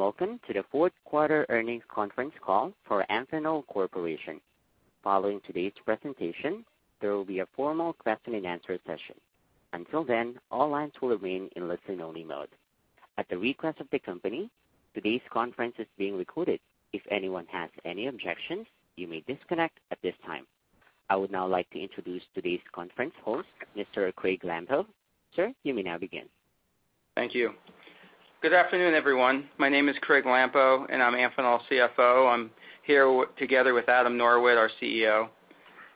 Hello, and welcome to the fourth quarter earnings conference call for Amphenol Corporation. Following today's presentation, there will be a formal question and answer session. Until then, all lines will remain in listen-only mode. At the request of the company, today's conference is being recorded. If anyone has any objections, you may disconnect at this time. I would now like to introduce today's conference host, Mr. Craig Lampo. Sir, you may now begin. Thank you. Good afternoon, everyone. My name is Craig Lampo, and I'm Amphenol's CFO. I'm here together with Adam Norwitt, our CEO.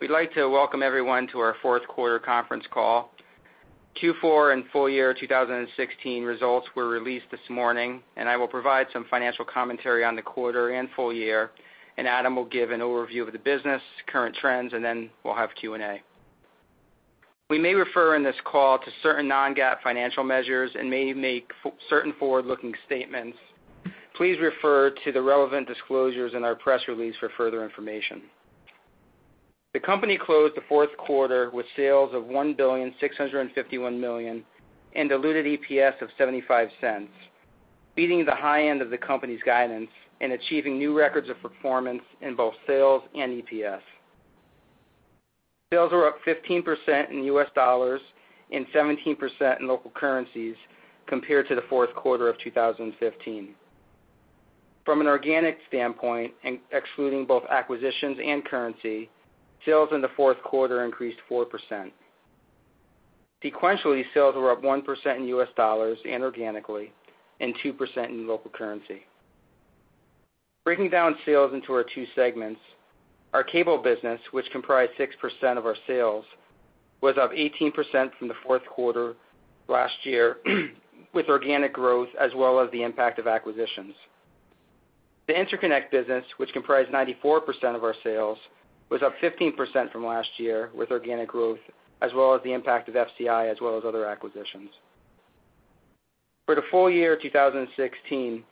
We'd like to welcome everyone to our fourth quarter conference call. Q4 and full year 2016 results were released this morning, and I will provide some financial commentary on the quarter and full year, and Adam will give an overview of the business, current trends, and then we'll have Q&A. We may refer in this call to certain non-GAAP financial measures and may make certain forward-looking statements. Please refer to the relevant disclosures in our press release for further information. The company closed the fourth quarter with sales of $1,651 million and diluted EPS of $0.75, beating the high end of the company's guidance and achieving new records of performance in both sales and EPS. Sales were up 15% in US dollars and 17% in local currencies compared to the fourth quarter of 2015. From an organic standpoint, excluding both acquisitions and currency, sales in the fourth quarter increased 4%. Sequentially, sales were up 1% in US dollars and organically, and 2% in local currency. Breaking down sales into our two segments, our cable business, which comprised 6% of our sales, was up 18% from the fourth quarter last year, with organic growth as well as the impact of acquisitions. The interconnect business, which comprised 94% of our sales, was up 15% from last year, with organic growth as well as the impact of FCI, as well as other acquisitions. For the full year of 2016,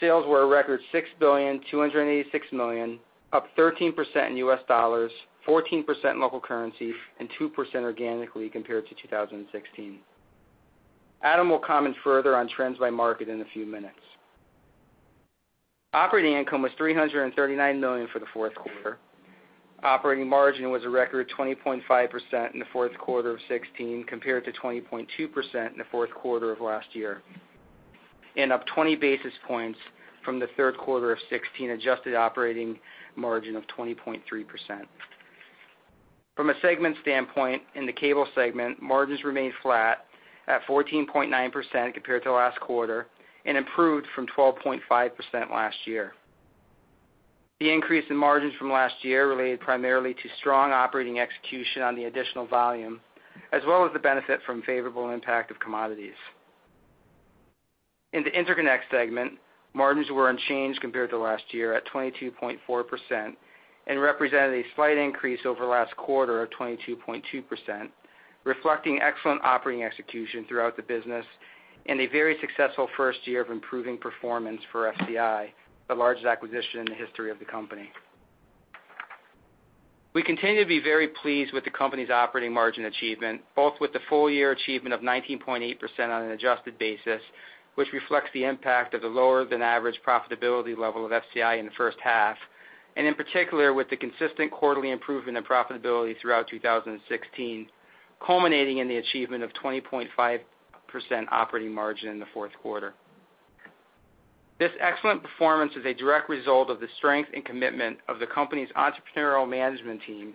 sales were a record $6.286 billion, up 13% in US dollars, 14% in local currency, and 2% organically compared to 2016. Adam will comment further on trends by market in a few minutes. Operating income was $339 million for the fourth quarter. Operating margin was a record 20.5% in the fourth quarter of 2016, compared to 20.2% in the fourth quarter of last year, and up 20 basis points from the third quarter of 2016, adjusted operating margin of 20.3%. From a segment standpoint, in the cable segment, margins remained flat at 14.9% compared to last quarter and improved from 12.5% last year. The increase in margins from last year related primarily to strong operating execution on the additional volume, as well as the benefit from favorable impact of commodities. In the interconnect segment, margins were unchanged compared to last year at 22.4% and represented a slight increase over last quarter of 22.2%, reflecting excellent operating execution throughout the business and a very successful first year of improving performance for FCI, the largest acquisition in the history of the company. We continue to be very pleased with the company's operating margin achievement, both with the full year achievement of 19.8% on an adjusted basis, which reflects the impact of the lower-than-average profitability level of FCI in the first half, and in particular, with the consistent quarterly improvement in profitability throughout 2016, culminating in the achievement of 20.5% operating margin in the fourth quarter. This excellent performance is a direct result of the strength and commitment of the company's entrepreneurial management team,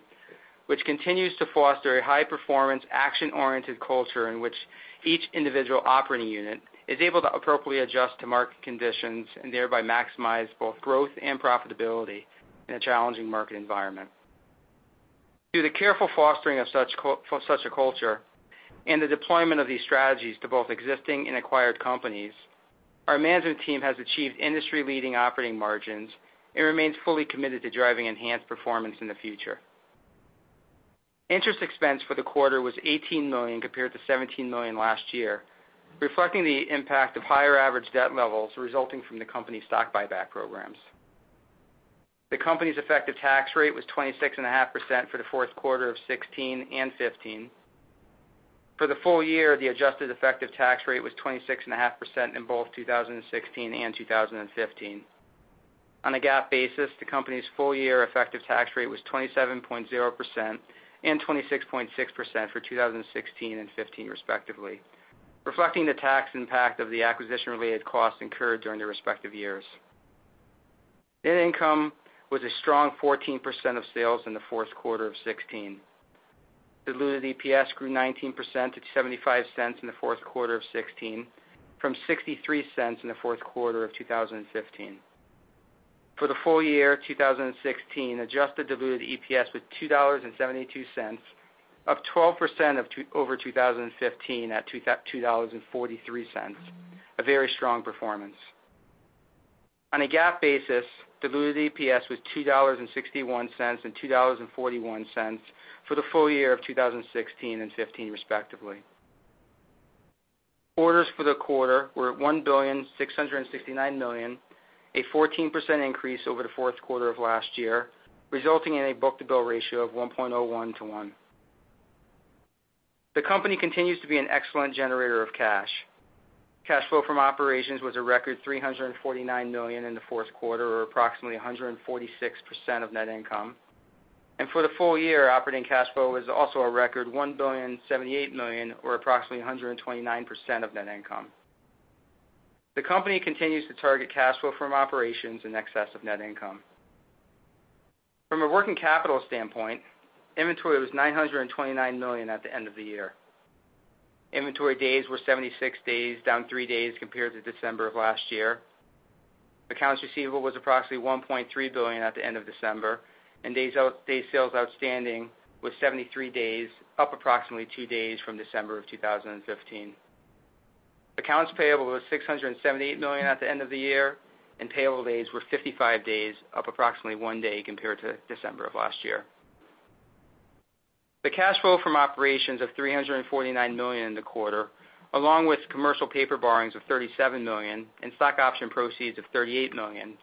which continues to foster a high-performance, action-oriented culture in which each individual operating unit is able to appropriately adjust to market conditions and thereby maximize both growth and profitability in a challenging market environment. Through the careful fostering of such a culture and the deployment of these strategies to both existing and acquired companies, our management team has achieved industry-leading operating margins and remains fully committed to driving enhanced performance in the future. Interest expense for the quarter was $18 million, compared to $17 million last year, reflecting the impact of higher average debt levels resulting from the company's stock buyback programs. The company's effective tax rate was 26.5% for the fourth quarter of 2016 and 2015. For the full year, the adjusted effective tax rate was 26.5% in both 2016 and 2015. On a GAAP basis, the company's full year effective tax rate was 27.0% and 26.6% for 2016 and 2015, respectively, reflecting the tax impact of the acquisition-related costs incurred during the respective years. Net income was a strong 14% of sales in the fourth quarter of 2016. Diluted EPS grew 19% to $0.75 in the fourth quarter of 2016, from $0.63 in the fourth quarter of 2015. For the full year 2016, adjusted diluted EPS was $2.72, up 12% over 2015 at $2.43, a very strong performance. On a GAAP basis, diluted EPS was $2.61 and $2.41 for the full year of 2016 and 2015, respectively. Orders for the quarter were at $1,669 million, a 14% increase over the fourth quarter of last year, resulting in a book-to-bill ratio of 1.01 to 1. The company continues to be an excellent generator of cash. Cash flow from operations was a record $349 million in the fourth quarter, or approximately 146% of net income. And for the full year, operating cash flow was also a record $1,078 million, or approximately 129% of net income. The company continues to target cash flow from operations in excess of net income. From a working capital standpoint, inventory was $929 million at the end of the year. Inventory days were 76 days, down 3 days compared to December of last year. Accounts receivable was approximately $1.3 billion at the end of December, and days sales outstanding was 73 days, up approximately 2 days from December of 2015. Accounts payable was $678 million at the end of the year, and payable days were 55 days, up approximately 1 day compared to December of last year. The cash flow from operations of $349 million in the quarter, along with commercial paper borrowings of $37 million and stock option proceeds of $38 million,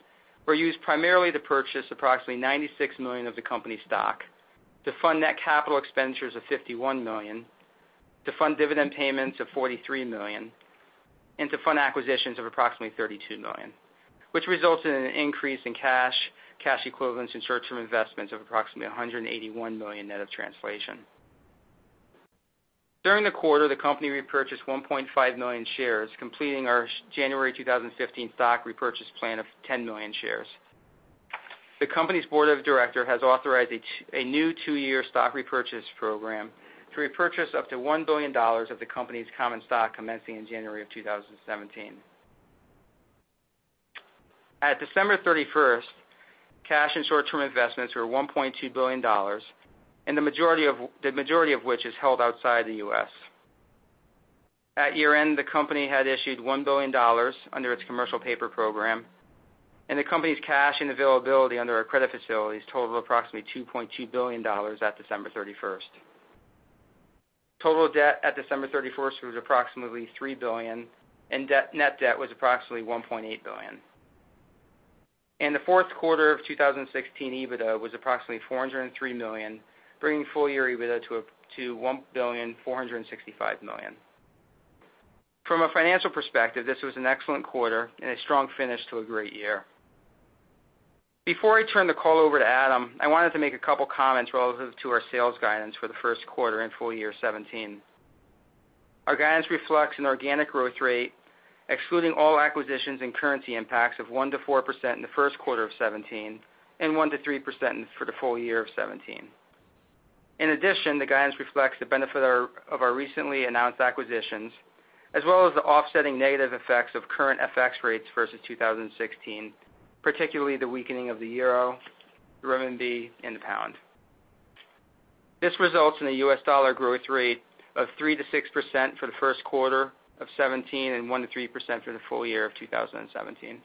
were used primarily to purchase approximately $96 million of the company's stock, to fund net capital expenditures of $51 million, to fund dividend payments of $43 million, and to fund acquisitions of approximately $32 million, which resulted in an increase in cash, cash equivalents, and short-term investments of approximately $181 million net of translation. During the quarter, the company repurchased 1.5 million shares, completing our January 2015 stock repurchase plan of 10 million shares. The company's Board of Directors has authorized a new two-year stock repurchase program to repurchase up to $1 billion of the company's common stock, commencing in January 2017. At December 31, cash and short-term investments were $1.2 billion, and the majority of which is held outside the U.S. At year-end, the company had issued $1 billion under its commercial paper program, and the company's cash and availability under our credit facilities totaled approximately $2.2 billion at December 31. Total debt at December 31 was approximately $3 billion, and net debt was approximately $1.8 billion. In the fourth quarter of 2016, EBITDA was approximately $403 million, bringing full year EBITDA to up to $1.465 billion. From a financial perspective, this was an excellent quarter and a strong finish to a great year. Before I turn the call over to Adam, I wanted to make a couple comments relative to our sales guidance for the first quarter and full year 2017. Our guidance reflects an organic growth rate, excluding all acquisitions and currency impacts, of 1%-4% in the first quarter of 2017, and 1%-3% for the full year of 2017. In addition, the guidance reflects the benefit of our recently announced acquisitions, as well as the offsetting negative effects of current FX rates versus 2016, particularly the weakening of the euro, renminbi, and the pound. This results in a US dollar growth rate of 3%-6% for the first quarter of 2017, and 1%-3% for the full year of 2017.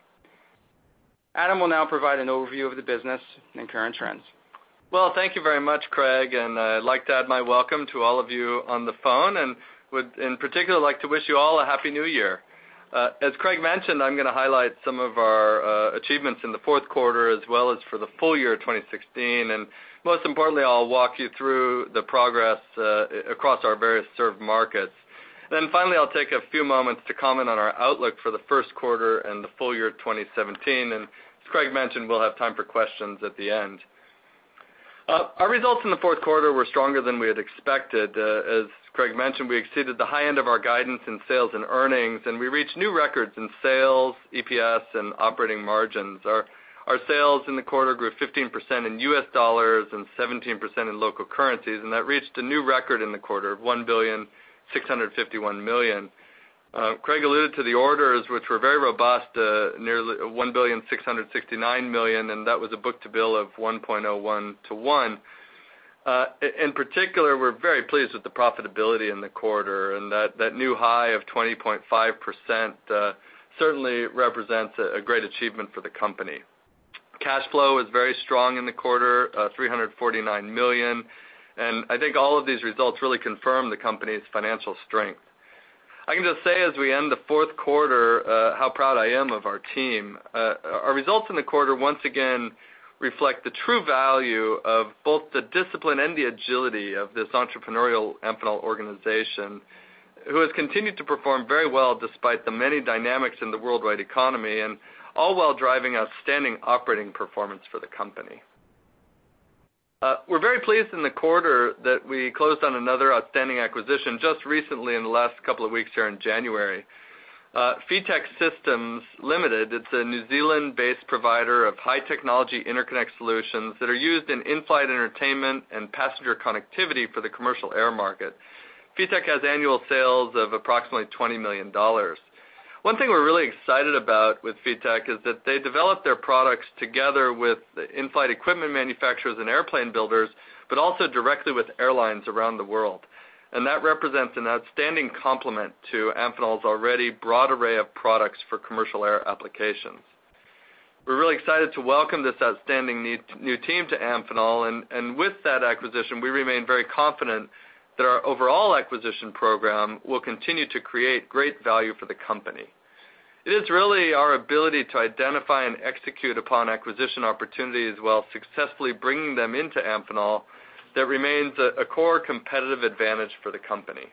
Adam will now provide an overview of the business and current trends. Well, thank you very much, Craig, and I'd like to add my welcome to all of you on the phone, and would, in particular, like to wish you all a happy New Year. As Craig mentioned, I'm gonna highlight some of our achievements in the fourth quarter, as well as for the full year of 2016, and most importantly, I'll walk you through the progress across our various served markets. Then finally, I'll take a few moments to comment on our outlook for the first quarter and the full year of 2017. As Craig mentioned, we'll have time for questions at the end. Our results in the fourth quarter were stronger than we had expected. As Craig mentioned, we exceeded the high end of our guidance in sales and earnings, and we reached new records in sales, EPS, and operating margins. Our sales in the quarter grew 15% in US dollars and 17% in local currencies, and that reached a new record in the quarter of $1.651 billion. Craig alluded to the orders, which were very robust, nearly $1.669 billion, and that was a book-to-bill of 1.01 to 1. In particular, we're very pleased with the profitability in the quarter, and that new high of 20.5%, certainly represents a great achievement for the company. Cash flow was very strong in the quarter, $349 million, and I think all of these results really confirm the company's financial strength. I can just say, as we end the fourth quarter, how proud I am of our team. Our results in the quarter once again reflect the true value of both the discipline and the agility of this entrepreneurial Amphenol organization, who has continued to perform very well despite the many dynamics in the worldwide economy, and all while driving outstanding operating performance for the company. We're very pleased in the quarter that we closed on another outstanding acquisition just recently in the last couple of weeks here in January. Phitek Systems Limited, it's a New Zealand-based provider of high-technology interconnect solutions that are used in in-flight entertainment and passenger connectivity for the commercial air market. Phitek has annual sales of approximately $20 million. One thing we're really excited about with Phitek is that they develop their products together with the in-flight equipment manufacturers and airplane builders, but also directly with airlines around the world. That represents an outstanding complement to Amphenol's already broad array of products for commercial air applications. We're really excited to welcome this outstanding new team to Amphenol, and with that acquisition, we remain very confident that our overall acquisition program will continue to create great value for the company. It is really our ability to identify and execute upon acquisition opportunities while successfully bringing them into Amphenol that remains a core competitive advantage for the company.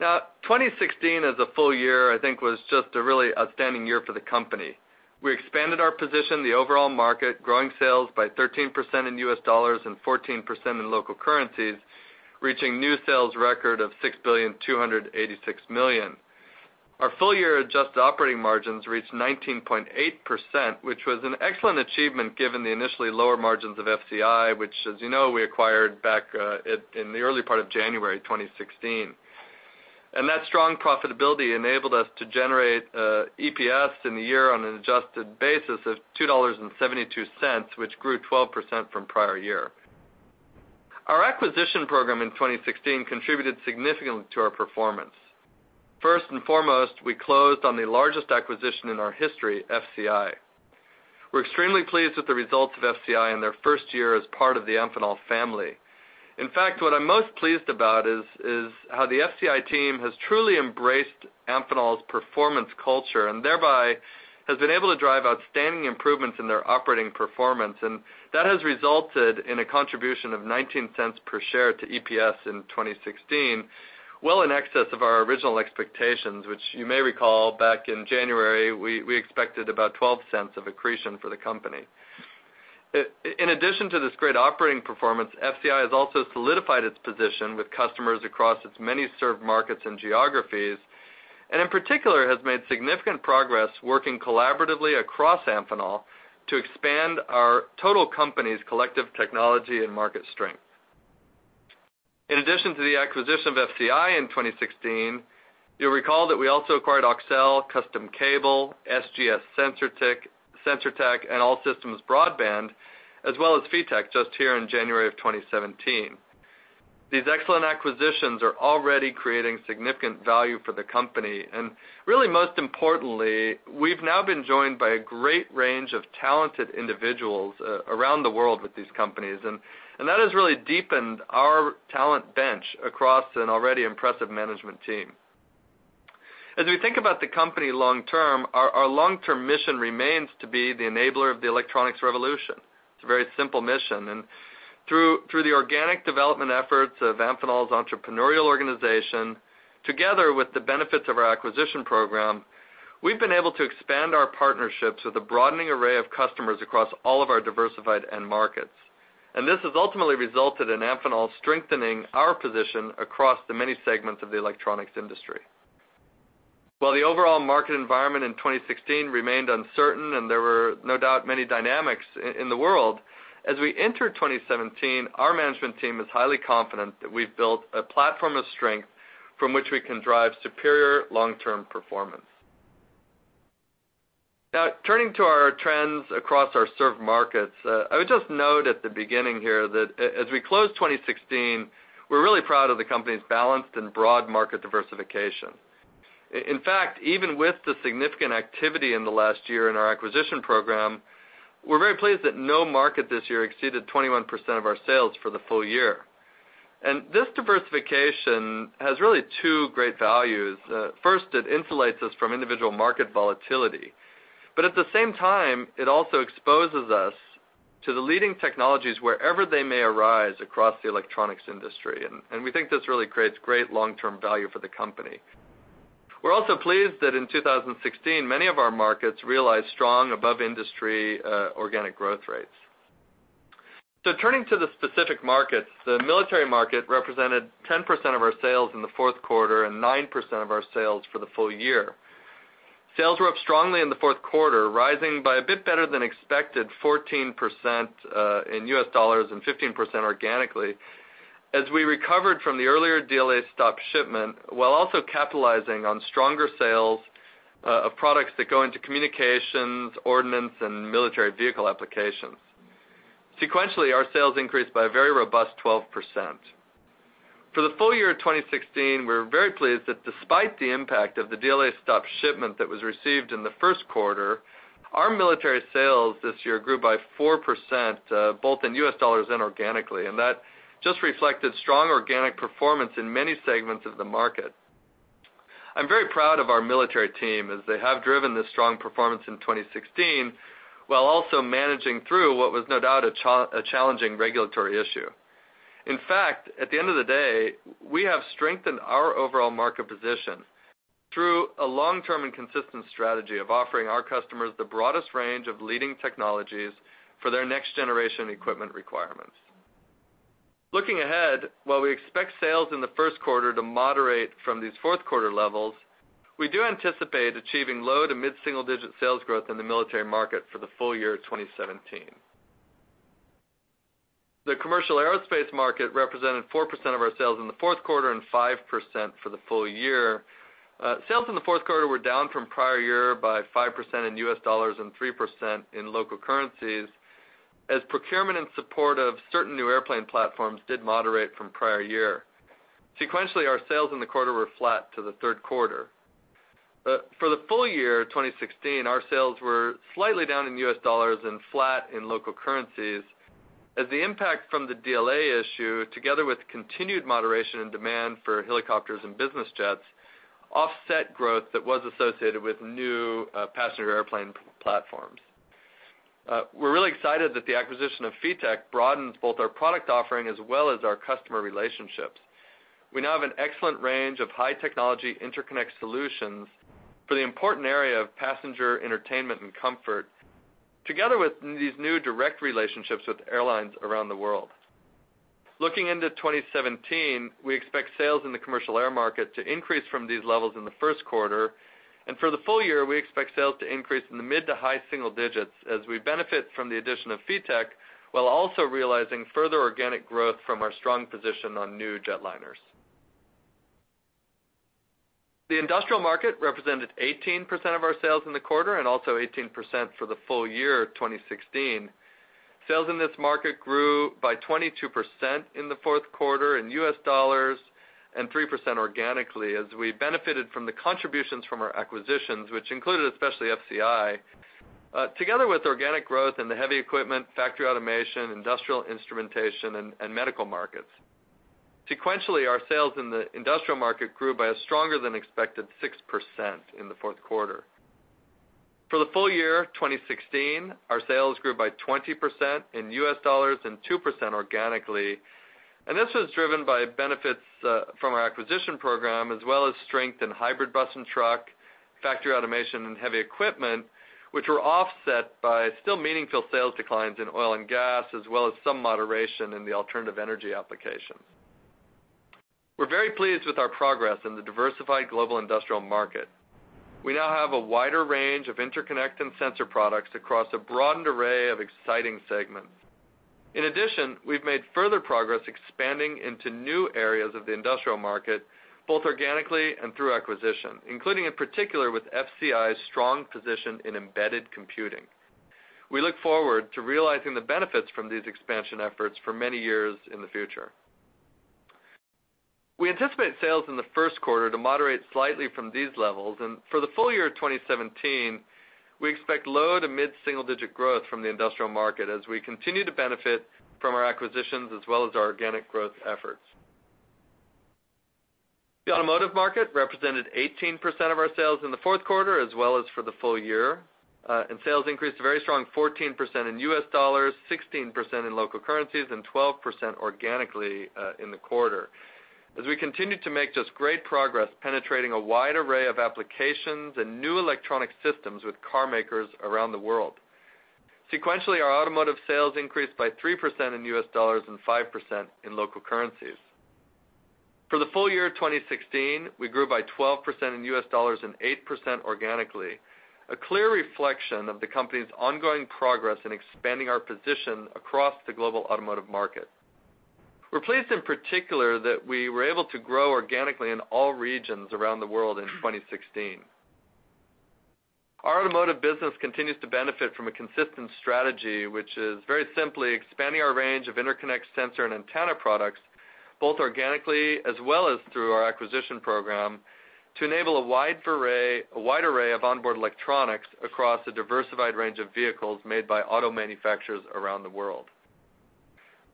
Now, 2016 as a full year, I think, was just a really outstanding year for the company. We expanded our position in the overall market, growing sales by 13% in US dollars and 14% in local currencies, reaching new sales record of $6.286 billion. Our full-year adjusted operating margins reached 19.8%, which was an excellent achievement given the initially lower margins of FCI, which, as you know, we acquired back in the early part of January 2016. That strong profitability enabled us to generate EPS in the year on an adjusted basis of $2.72, which grew 12% from prior year. Our acquisition program in 2016 contributed significantly to our performance. First and foremost, we closed on the largest acquisition in our history, FCI. We're extremely pleased with the results of FCI in their first year as part of the Amphenol family. In fact, what I'm most pleased about is how the FCI team has truly embraced Amphenol's performance culture, and thereby, has been able to drive outstanding improvements in their operating performance. And that has resulted in a contribution of $0.19 per share to EPS in 2016, well in excess of our original expectations, which you may recall, back in January, we expected about $0.12 of accretion for the company. In addition to this great operating performance, FCI has also solidified its position with customers across its many served markets and geographies, and in particular, has made significant progress working collaboratively across Amphenol to expand our total company's collective technology and market strength. In addition to the acquisition of FCI in 2016, you'll recall that we also acquired Auxel, Custom Cable, SGX Sensortech, and All Systems Broadband, as well as Phitek, just here in January of 2017. These excellent acquisitions are already creating significant value for the company, and really, most importantly, we've now been joined by a great range of talented individuals around the world with these companies. And that has really deepened our talent bench across an already impressive management team. As we think about the company long term, our long-term mission remains to be the enabler of the electronics revolution. It's a very simple mission, and through the organic development efforts of Amphenol's entrepreneurial organization, together with the benefits of our acquisition program, we've been able to expand our partnerships with a broadening array of customers across all of our diversified end markets. This has ultimately resulted in Amphenol strengthening our position across the many segments of the electronics industry. While the overall market environment in 2016 remained uncertain, and there were no doubt many dynamics in the world, as we enter 2017, our management team is highly confident that we've built a platform of strength from which we can drive superior long-term performance. Now, turning to our trends across our served markets, I would just note at the beginning here that as we close 2016, we're really proud of the company's balanced and broad market diversification. In fact, even with the significant activity in the last year in our acquisition program, we're very pleased that no market this year exceeded 21% of our sales for the full year. And this diversification has really two great values. First, it insulates us from individual market volatility, but at the same time, it also exposes us to the leading technologies wherever they may arise across the electronics industry, and we think this really creates great long-term value for the company. We're also pleased that in 2016, many of our markets realized strong above-industry organic growth rates. So turning to the specific markets, the military market represented 10% of our sales in the fourth quarter and 9% of our sales for the full year. Sales were up strongly in the fourth quarter, rising by a bit better than expected, 14% in U.S. dollars and 15% organically, as we recovered from the earlier DLA stop shipment, while also capitalizing on stronger sales of products that go into communications, ordnance, and military vehicle applications. Sequentially, our sales increased by a very robust 12%. For the full year of 2016, we're very pleased that despite the impact of the DLA stop shipment that was received in the first quarter, our military sales this year grew by 4%, both in U.S. dollars and organically, and that just reflected strong organic performance in many segments of the market. I'm very proud of our military team, as they have driven this strong performance in 2016, while also managing through what was no doubt a challenging regulatory issue. In fact, at the end of the day, we have strengthened our overall market position through a long-term and consistent strategy of offering our customers the broadest range of leading technologies for their next-generation equipment requirements. Looking ahead, while we expect sales in the first quarter to moderate from these fourth quarter levels, we do anticipate achieving low- to mid-single-digit sales growth in the military market for the full year of 2017. The commercial aerospace market represented 4% of our sales in the fourth quarter and 5% for the full year. Sales in the fourth quarter were down from prior year by 5% in U.S. dollars and 3% in local currencies, as procurement in support of certain new airplane platforms did moderate from prior year. Sequentially, our sales in the quarter were flat to the third quarter. For the full year of 2016, our sales were slightly down in U.S. dollars and flat in local currencies. As the impact from the DLA issue, together with continued moderation in demand for helicopters and business jets, offset growth that was associated with new passenger airplane platforms. We're really excited that the acquisition of Phitek broadens both our product offering as well as our customer relationships. We now have an excellent range of high-technology interconnect solutions for the important area of passenger entertainment and comfort, together with these new direct relationships with airlines around the world. Looking into 2017, we expect sales in the commercial air market to increase from these levels in the first quarter, and for the full year, we expect sales to increase in the mid to high single digits as we benefit from the addition of Phitek, while also realizing further organic growth from our strong position on new jetliners. The industrial market represented 18% of our sales in the quarter and also 18% for the full year of 2016. Sales in this market grew by 22% in the fourth quarter in U.S. dollars and 3% organically, as we benefited from the contributions from our acquisitions, which included especially FCI. Together with organic growth in the heavy equipment, factory automation, industrial instrumentation, and medical markets. Sequentially, our sales in the industrial market grew by a stronger-than-expected 6% in the fourth quarter. For the full year 2016, our sales grew by 20% in U.S. dollars and 2% organically, and this was driven by benefits from our acquisition program, as well as strength in hybrid bus and truck, factory automation, and heavy equipment, which were offset by still meaningful sales declines in oil and gas, as well as some moderation in the alternative energy applications. We're very pleased with our progress in the diversified global industrial market. We now have a wider range of interconnect and sensor products across a broadened array of exciting segments. In addition, we've made further progress expanding into new areas of the industrial market, both organically and through acquisition, including, in particular, with FCI's strong position in embedded computing. We look forward to realizing the benefits from these expansion efforts for many years in the future. We anticipate sales in the first quarter to moderate slightly from these levels, and for the full year of 2017, we expect low to mid-single-digit growth from the industrial market as we continue to benefit from our acquisitions as well as our organic growth efforts. The automotive market represented 18% of our sales in the fourth quarter, as well as for the full year. Sales increased a very strong 14% in U.S. dollars, 16% in local currencies, and 12% organically, in the quarter, as we continue to make just great progress penetrating a wide array of applications and new electronic systems with carmakers around the world. Sequentially, our automotive sales increased by 3% in U.S. dollars and 5% in local currencies. For the full year 2016, we grew by 12% in US dollars and 8% organically, a clear reflection of the company's ongoing progress in expanding our position across the global automotive market. We're pleased, in particular, that we were able to grow organically in all regions around the world in 2016. Our automotive business continues to benefit from a consistent strategy, which is very simply expanding our range of interconnect, sensor, and antenna products, both organically as well as through our acquisition program, to enable a wide array of onboard electronics across a diversified range of vehicles made by auto manufacturers around the world.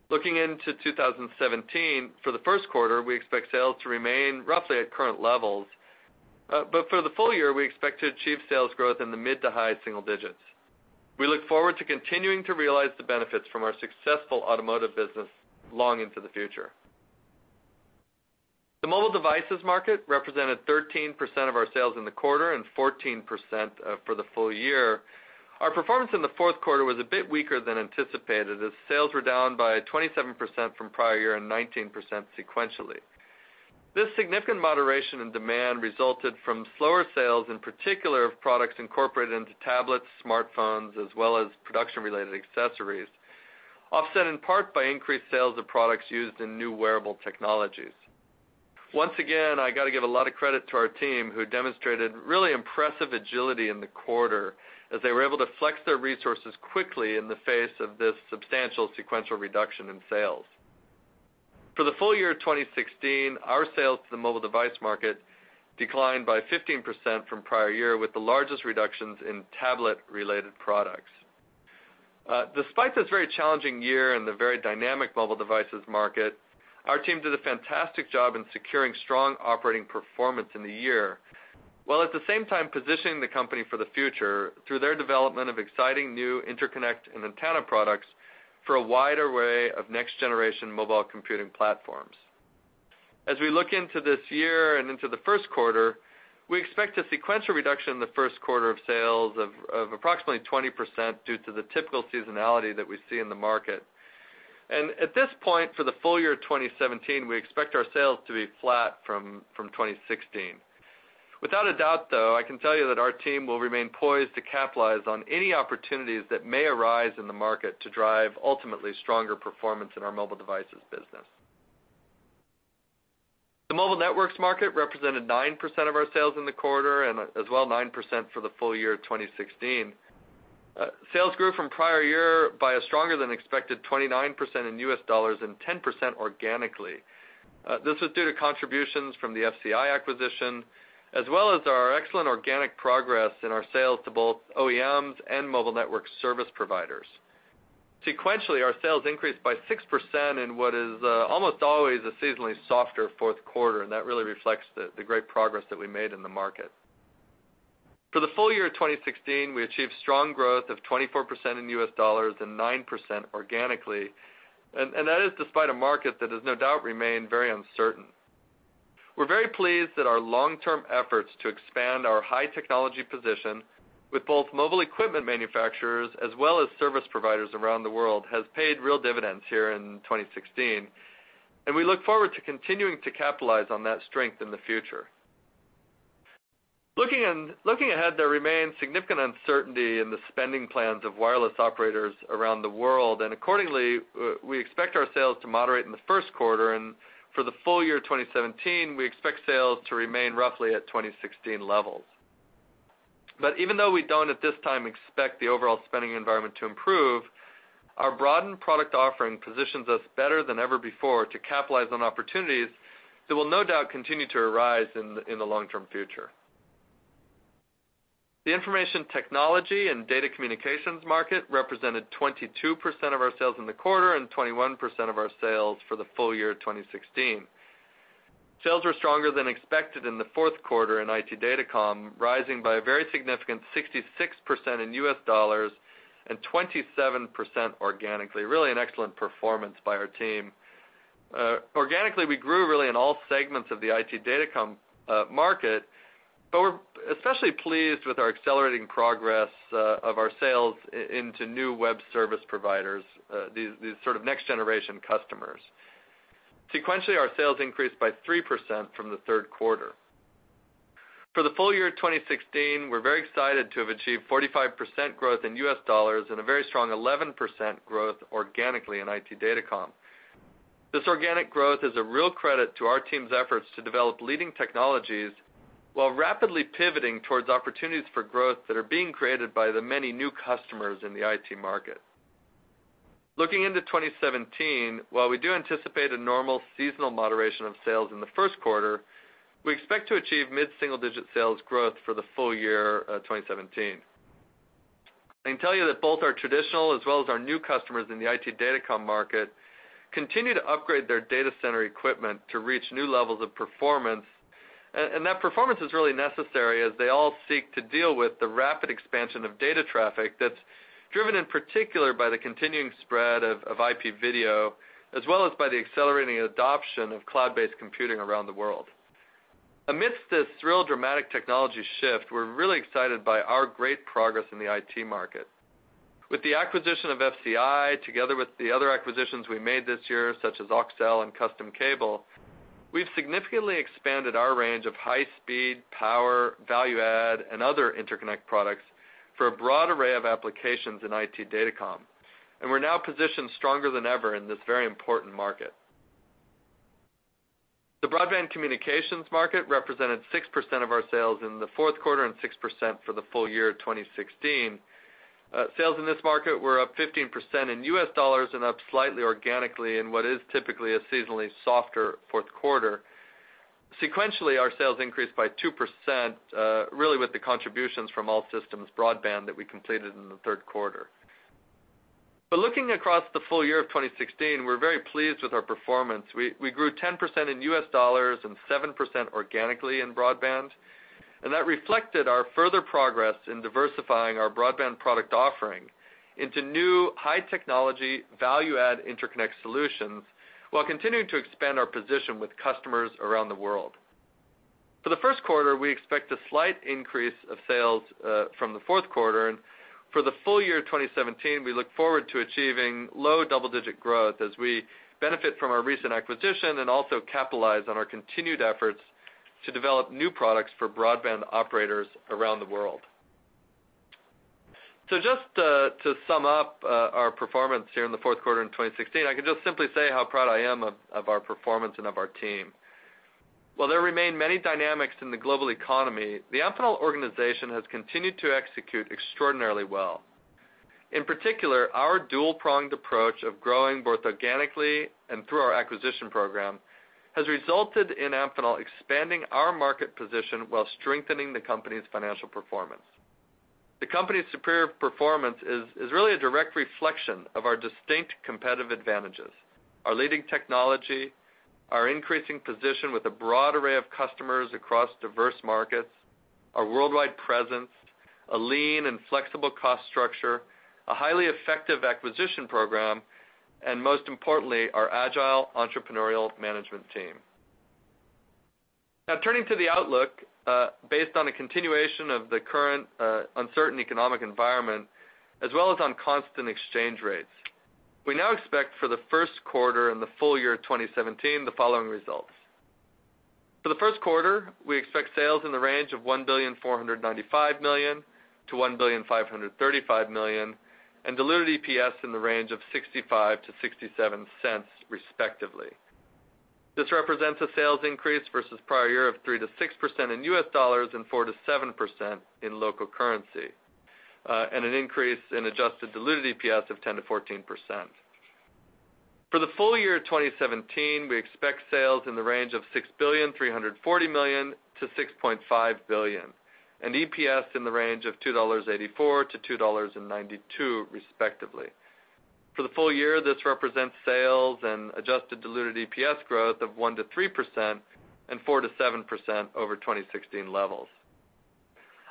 Looking into 2017, for the first quarter, we expect sales to remain roughly at current levels, but for the full year, we expect to achieve sales growth in the mid- to high-single digits. We look forward to continuing to realize the benefits from our successful automotive business long into the future. The mobile devices market represented 13% of our sales in the quarter and 14% for the full year. Our performance in the fourth quarter was a bit weaker than anticipated, as sales were down by 27% from prior year and 19% sequentially. This significant moderation in demand resulted from slower sales, in particular, of products incorporated into tablets, smartphones, as well as production-related accessories, offset in part by increased sales of products used in new wearable technologies. Once again, I got to give a lot of credit to our team, who demonstrated really impressive agility in the quarter, as they were able to flex their resources quickly in the face of this substantial sequential reduction in sales. For the full year 2016, our sales to the mobile device market declined by 15% from prior year, with the largest reductions in tablet-related products. Despite this very challenging year in the very dynamic mobile devices market, our team did a fantastic job in securing strong operating performance in the year, while at the same time positioning the company for the future through their development of exciting new interconnect and antenna products for a wide array of next-generation mobile computing platforms. As we look into this year and into the first quarter, we expect a sequential reduction in the first quarter of sales of approximately 20% due to the typical seasonality that we see in the market. At this point, for the full year 2017, we expect our sales to be flat from 2016. Without a doubt, though, I can tell you that our team will remain poised to capitalize on any opportunities that may arise in the market to drive ultimately stronger performance in our mobile devices business. The mobile networks market represented 9% of our sales in the quarter, and as well, 9% for the full year 2016. Sales grew from prior year by a stronger-than-expected 29% in US dollars and 10% organically. This was due to contributions from the FCI acquisition, as well as our excellent organic progress in our sales to both OEMs and mobile network service providers. Sequentially, our sales increased by 6% in what is almost always a seasonally softer fourth quarter, and that really reflects the great progress that we made in the market. For the full year of 2016, we achieved strong growth of 24% in US dollars and 9% organically, and that is despite a market that has no doubt remained very uncertain. We're very pleased that our long-term efforts to expand our high technology position with both mobile equipment manufacturers, as well as service providers around the world, has paid real dividends here in 2016, and we look forward to continuing to capitalize on that strength in the future. Looking ahead, there remains significant uncertainty in the spending plans of wireless operators around the world, and accordingly, we expect our sales to moderate in the first quarter. For the full year 2017, we expect sales to remain roughly at 2016 levels. But even though we don't, at this time, expect the overall spending environment to improve, our broadened product offering positions us better than ever before to capitalize on opportunities that will no doubt continue to arise in the long-term future. The information technology and data communications market represented 22% of our sales in the quarter and 21% of our sales for the full year 2016. Sales were stronger than expected in the fourth quarter in IT Datacomm, rising by a very significant 66% in US dollars and 27% organically. Really an excellent performance by our team. Organically, we grew really in all segments of the IT Datacomm market, but we're especially pleased with our accelerating progress of our sales into new web service providers, these sort of next-generation customers. Sequentially, our sales increased by 3% from the third quarter. For the full year 2016, we're very excited to have achieved 45% growth in US dollars and a very strong 11% growth organically in IT Datacom. This organic growth is a real credit to our team's efforts to develop leading technologies, while rapidly pivoting towards opportunities for growth that are being created by the many new customers in the IT market. Looking into 2017, while we do anticipate a normal seasonal moderation of sales in the first quarter, we expect to achieve mid-single-digit sales growth for the full year, 2017. I can tell you that both our traditional as well as our new customers in the IT datacom market continue to upgrade their data center equipment to reach new levels of performance, and that performance is really necessary as they all seek to deal with the rapid expansion of data traffic that's driven, in particular, by the continuing spread of IP video, as well as by the accelerating adoption of cloud-based computing around the world. Amidst this real dramatic technology shift, we're really excited by our great progress in the IT market. With the acquisition of FCI, together with the other acquisitions we made this year, such as Auxel and Custom Cable, we've significantly expanded our range of high speed, power, value add, and other interconnect products for a broad array of applications in IT Datacomm, and we're now positioned stronger than ever in this very important market. The broadband communications market represented 6% of our sales in the fourth quarter and 6% for the full year 2016. Sales in this market were up 15% in U.S. dollars and up slightly organically in what is typically a seasonally softer fourth quarter. Sequentially, our sales increased by 2%, really with the contributions from All Systems Broadband that we completed in the third quarter. But looking across the full year of 2016, we're very pleased with our performance. We grew 10% in U.S. dollars and 7% organically in broadband, and that reflected our further progress in diversifying our broadband product offering into new high technology, value add interconnect solutions, while continuing to expand our position with customers around the world. For the first quarter, we expect a slight increase of sales from the fourth quarter, and for the full year 2017, we look forward to achieving low double-digit growth as we benefit from our recent acquisition and also capitalize on our continued efforts to develop new products for broadband operators around the world. So just to sum up, our performance here in the fourth quarter in 2016, I can just simply say how proud I am of our performance and of our team. While there remain many dynamics in the global economy, the Amphenol organization has continued to execute extraordinarily well. In particular, our dual-pronged approach of growing both organically and through our acquisition program has resulted in Amphenol expanding our market position while strengthening the company's financial performance. The company's superior performance is really a direct reflection of our distinct competitive advantages, our leading technology, our increasing position with a broad array of customers across diverse markets, our worldwide presence, a lean and flexible cost structure, a highly effective acquisition program, and most importantly, our agile entrepreneurial management team. Now, turning to the outlook, based on a continuation of the current uncertain economic environment, as well as on constant exchange rates, we now expect for the first quarter and the full year 2017, the following results: For the first quarter, we expect sales in the range of $1.495 billion-$1.535 billion, and diluted EPS in the range of $0.65-$0.67, respectively. This represents a sales increase versus prior year of 3%-6% in US dollars and 4%-7% in local currency, and an increase in adjusted diluted EPS of 10%-14%. For the full year 2017, we expect sales in the range of $6.34 billion-$6.5 billion, and EPS in the range of $2.84-$2.92, respectively. For the full year, this represents sales and adjusted diluted EPS growth of 1%-3% and 4%-7% over 2016 levels.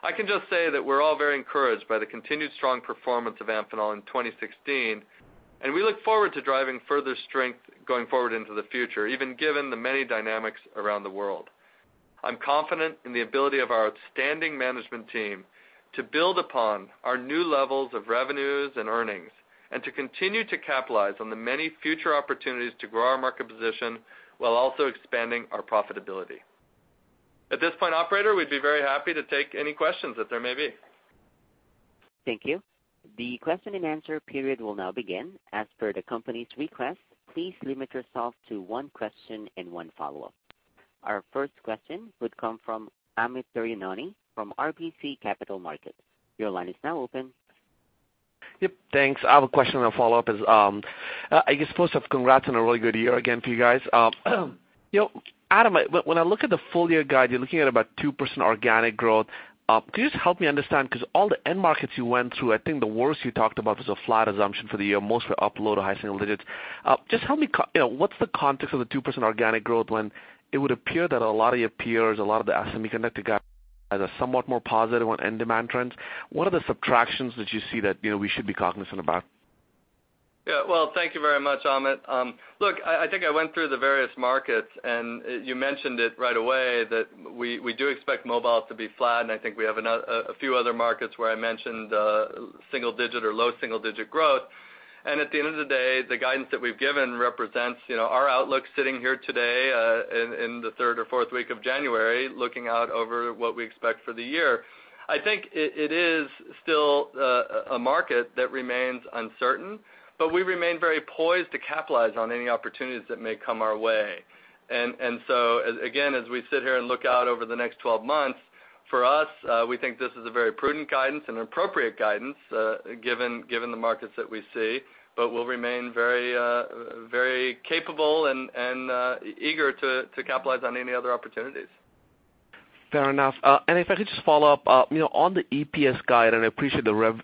I can just say that we're all very encouraged by the continued strong performance of Amphenol in 2016, and we look forward to driving further strength going forward into the future, even given the many dynamics around the world. I'm confident in the ability of our outstanding management team to build upon our new levels of revenues and earnings, and to continue to capitalize on the many future opportunities to grow our market position while also expanding our profitability. At this point, operator, we'd be very happy to take any questions that there may be. Thank you. The question-and-answer period will now begin. As per the company's request, please limit yourself to one question and one follow-up. Our first question would come from Amit Daryanani from RBC Capital Markets. Your line is now open. Yep, thanks. I have a question and a follow-up is, I guess, first off, congrats on a really good year again to you guys. You know, Adam, when I look at the full year guide, you're looking at about 2% organic growth. Can you just help me understand, 'cause all the end markets you went through, I think the worst you talked about was a flat assumption for the year, mostly up low- to high-single digits. Just help me, you know, what's the context of the 2% organic growth when it would appear that a lot of your peers, a lot of the semiconductor guys are somewhat more positive on end demand trends? What are the subtractions that you see that, you know, we should be cognizant about? Yeah. Well, thank you very much, Amit. Look, I think I went through the various markets, and you mentioned it right away that we do expect mobile to be flat, and I think we have a few other markets where I mentioned single digit or low single digit growth. And at the end of the day, the guidance that we've given represents, you know, our outlook sitting here today in the third or fourth week of January, looking out over what we expect for the year. I think it is still a market that remains uncertain, but we remain very poised to capitalize on any opportunities that may come our way. And so, again, as we sit here and look out over the next 12 months, for us, we think this is a very prudent guidance and appropriate guidance, given the markets that we see, but we'll remain very, very capable and eager to capitalize on any other opportunities. Fair enough. And if I could just follow up, you know, on the EPS guide, and I appreciate the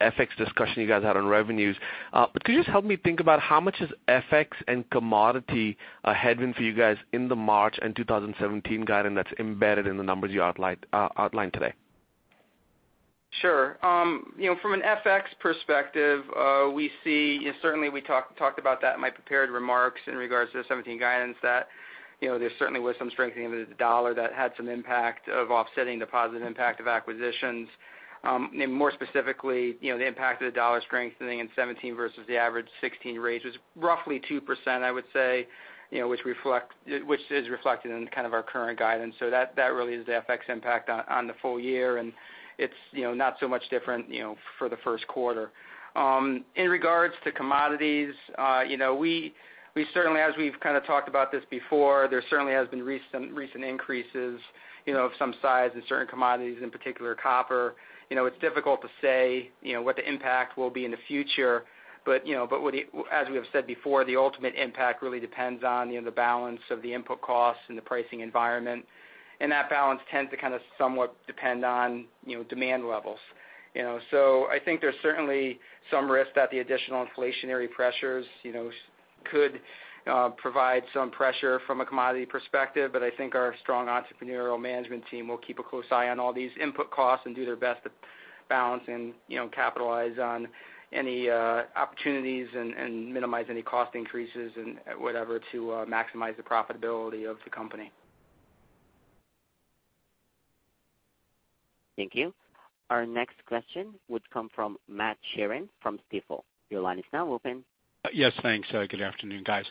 FX discussion you guys had on revenues. But could you just help me think about how much is FX and commodity a headwind for you guys in the March and 2017 guide, and that's embedded in the numbers you outlined today? Sure. You know, from an FX perspective, we see, and certainly we talked about that in my prepared remarks in regards to the 2017 guidance, that, you know, there certainly was some strengthening of the dollar that had some impact of offsetting the positive impact of acquisitions. And more specifically, you know, the impact of the dollar strengthening in 2017 versus the average 2016 rates was roughly 2%, I would say, you know, which is reflected in kind of our current guidance. So that, that really is the FX impact on, on the full year, and it's, you know, not so much different, you know, for the first quarter. In regards to commodities, you know, we certainly, as we've kind of talked about this before, there certainly has been recent increases, you know, of some size in certain commodities, in particular, copper. You know, it's difficult to say, you know, what the impact will be in the future, but, you know, as we have said before, the ultimate impact really depends on, you know, the balance of the input costs and the pricing environment. And that balance tends to kind of somewhat depend on, you know, demand levels. You know, so I think there's certainly some risk that the additional inflationary pressures, you know, could provide some pressure from a commodity perspective, but I think our strong entrepreneurial management team will keep a close eye on all these input costs and do their best to balance and, you know, capitalize on any opportunities and minimize any cost increases and whatever to maximize the profitability of the company. Thank you. Our next question would come from Matthew Sheerin from Stifel. Your line is now open. Yes, thanks. Good afternoon, guys.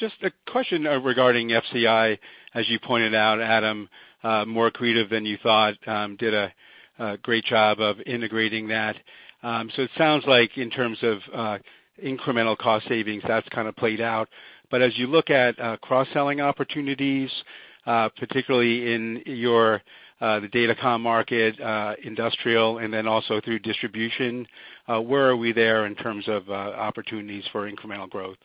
Just a question regarding FCI. As you pointed out, Adam, more accretive than you thought, did a great job of integrating that. So it sounds like in terms of incremental cost savings, that's kind of played out. But as you look at cross-selling opportunities, particularly in your the data comm market, industrial, and then also through distribution, where are we there in terms of opportunities for incremental growth?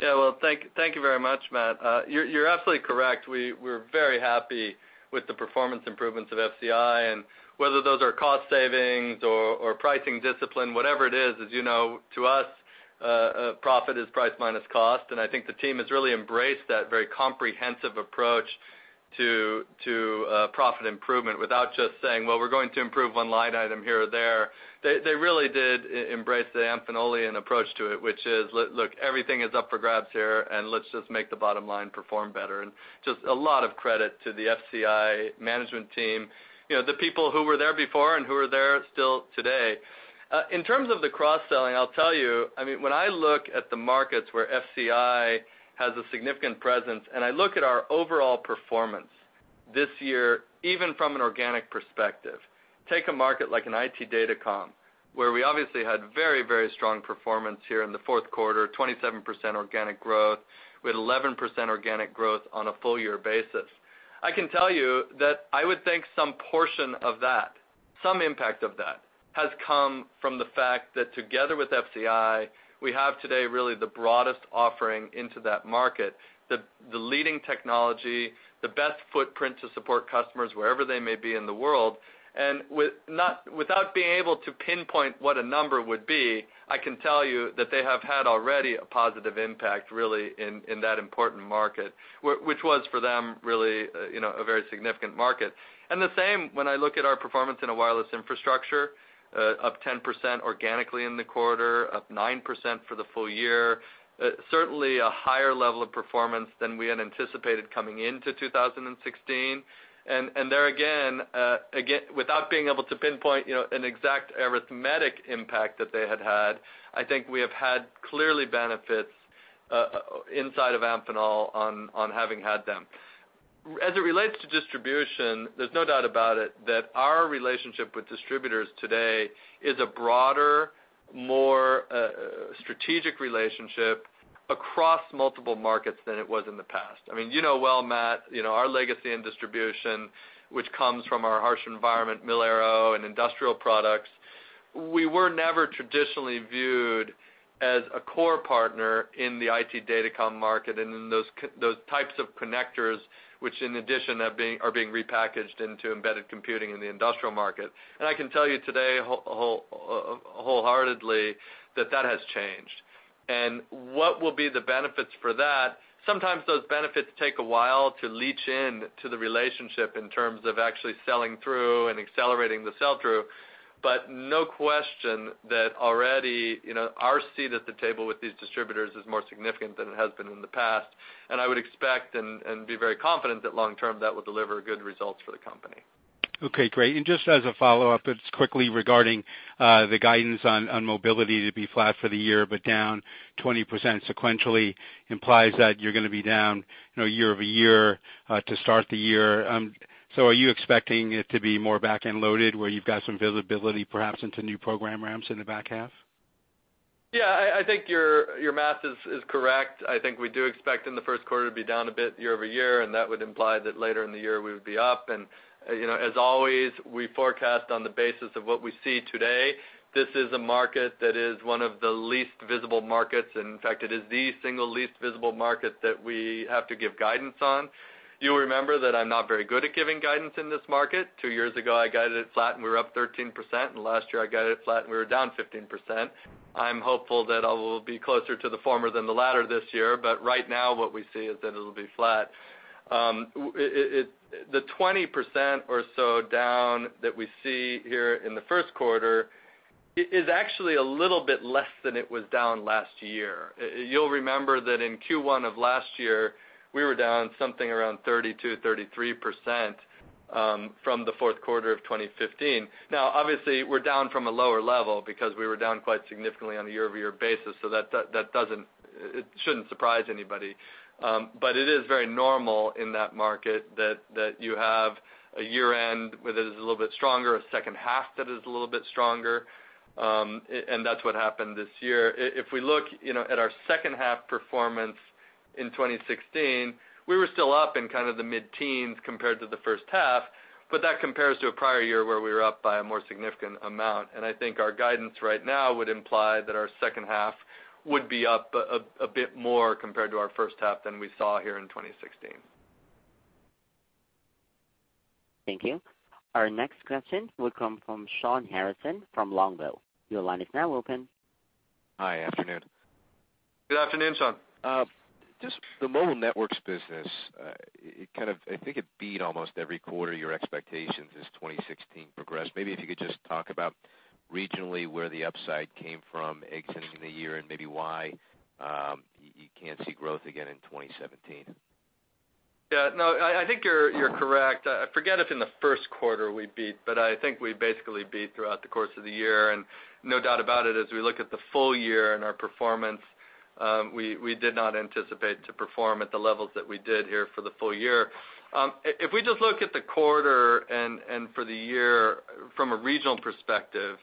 Yeah. Well, thank you very much, Matt. You're absolutely correct. We're very happy with the performance improvements of FCI, and whether those are cost savings or pricing discipline, whatever it is, as you know, to us, profit is price minus cost. And I think the team has really embraced that very comprehensive approach to profit improvement without just saying, "Well, we're going to improve one line item here or there." They really embraced the Amphenolian approach to it, which is: Look, everything is up for grabs here, and let's just make the bottom line perform better. And just a lot of credit to the FCI management team, you know, the people who were there before and who are there still today. In terms of the cross-selling, I'll tell you, I mean, when I look at the markets where FCI has a significant presence, and I look at our overall performance this year, even from an organic perspective, take a market like an IT Datacom, where we obviously had very, very strong performance here in the fourth quarter, 27% organic growth, with 11% organic growth on a full year basis. I can tell you that I would think some portion of that, some impact of that, has come from the fact that together with FCI, we have today really the broadest offering into that market, the leading technology, the best footprint to support customers wherever they may be in the world. And without being able to pinpoint what a number would be, I can tell you that they have had already a positive impact, really, in that important market, which was for them, really, you know, a very significant market. And the same when I look at our performance in a wireless infrastructure, up 10% organically in the quarter, up 9% for the full year. Certainly a higher level of performance than we had anticipated coming into 2016. And there again, again, without being able to pinpoint, you know, an exact arithmetic impact that they had had, I think we have had clearly benefits, inside of Amphenol on having had them. As it relates to distribution, there's no doubt about it, that our relationship with distributors today is a broader, more strategic relationship across multiple markets than it was in the past. I mean, you know well, Matt, you know, our legacy in distribution, which comes from our harsh environment, Mil-Aero and industrial products, we were never traditionally viewed as a core partner in the IT datacom market and in those types of connectors, which in addition, are being repackaged into embedded computing in the industrial market. And I can tell you today, wholeheartedly, that that has changed. And what will be the benefits for that? Sometimes those benefits take a while to leach in to the relationship in terms of actually selling through and accelerating the sell-through. But no question that already, you know, our seat at the table with these distributors is more significant than it has been in the past. And I would expect and be very confident that long term, that will deliver good results for the company. Okay, great. And just as a follow-up, it's quickly regarding the guidance on mobility to be flat for the year, but down 20% sequentially implies that you're gonna be down, you know, year-over-year, to start the year. So are you expecting it to be more back-end loaded, where you've got some visibility, perhaps into new program ramps in the back half? Yeah, I think your math is correct. I think we do expect in the first quarter to be down a bit year-over-year, and that would imply that later in the year, we would be up. And, you know, as always, we forecast on the basis of what we see today. This is a market that is one of the least visible markets, and in fact, it is the single least visible market that we have to give guidance on. You'll remember that I'm not very good at giving guidance in this market. Two years ago, I guided it flat, and we were up 13%, and last year, I guided it flat and we were down 15%. I'm hopeful that I will be closer to the former than the latter this year, but right now, what we see is that it'll be flat. It, the 20% or so down that we see here in the first quarter is actually a little bit less than it was down last year. You'll remember that in Q1 of last year, we were down something around 32-33%, from the fourth quarter of 2015. Now, obviously, we're down from a lower level because we were down quite significantly on a year-over-year basis, so that, that, that doesn't, it shouldn't surprise anybody. But it is very normal in that market that, that you have a year-end, whether it is a little bit stronger, a second half that is a little bit stronger, and that's what happened this year. If we look, you know, at our second half performance in 2016, we were still up in kind of the mid-teens compared to the first half, but that compares to a prior year where we were up by a more significant amount. And I think our guidance right now would imply that our second half would be up a bit more compared to our first half than we saw here in 2016. Thank you. Our next question will come from Shawn Harrison from Longbow. Your line is now open. Hi, afternoon. Good afternoon, Sean. Just the mobile networks business, it kind of, I think it beat almost every quarter your expectations as 2016 progressed. Maybe if you could just talk about regionally, where the upside came from exiting the year and maybe why, you can't see growth again in 2017. Yeah, no, I think you're correct. I forget if in the first quarter we beat, but I think we basically beat throughout the course of the year, and no doubt about it, as we look at the full year and our performance, we did not anticipate to perform at the levels that we did here for the full year. If we just look at the quarter and for the year from a regional perspective,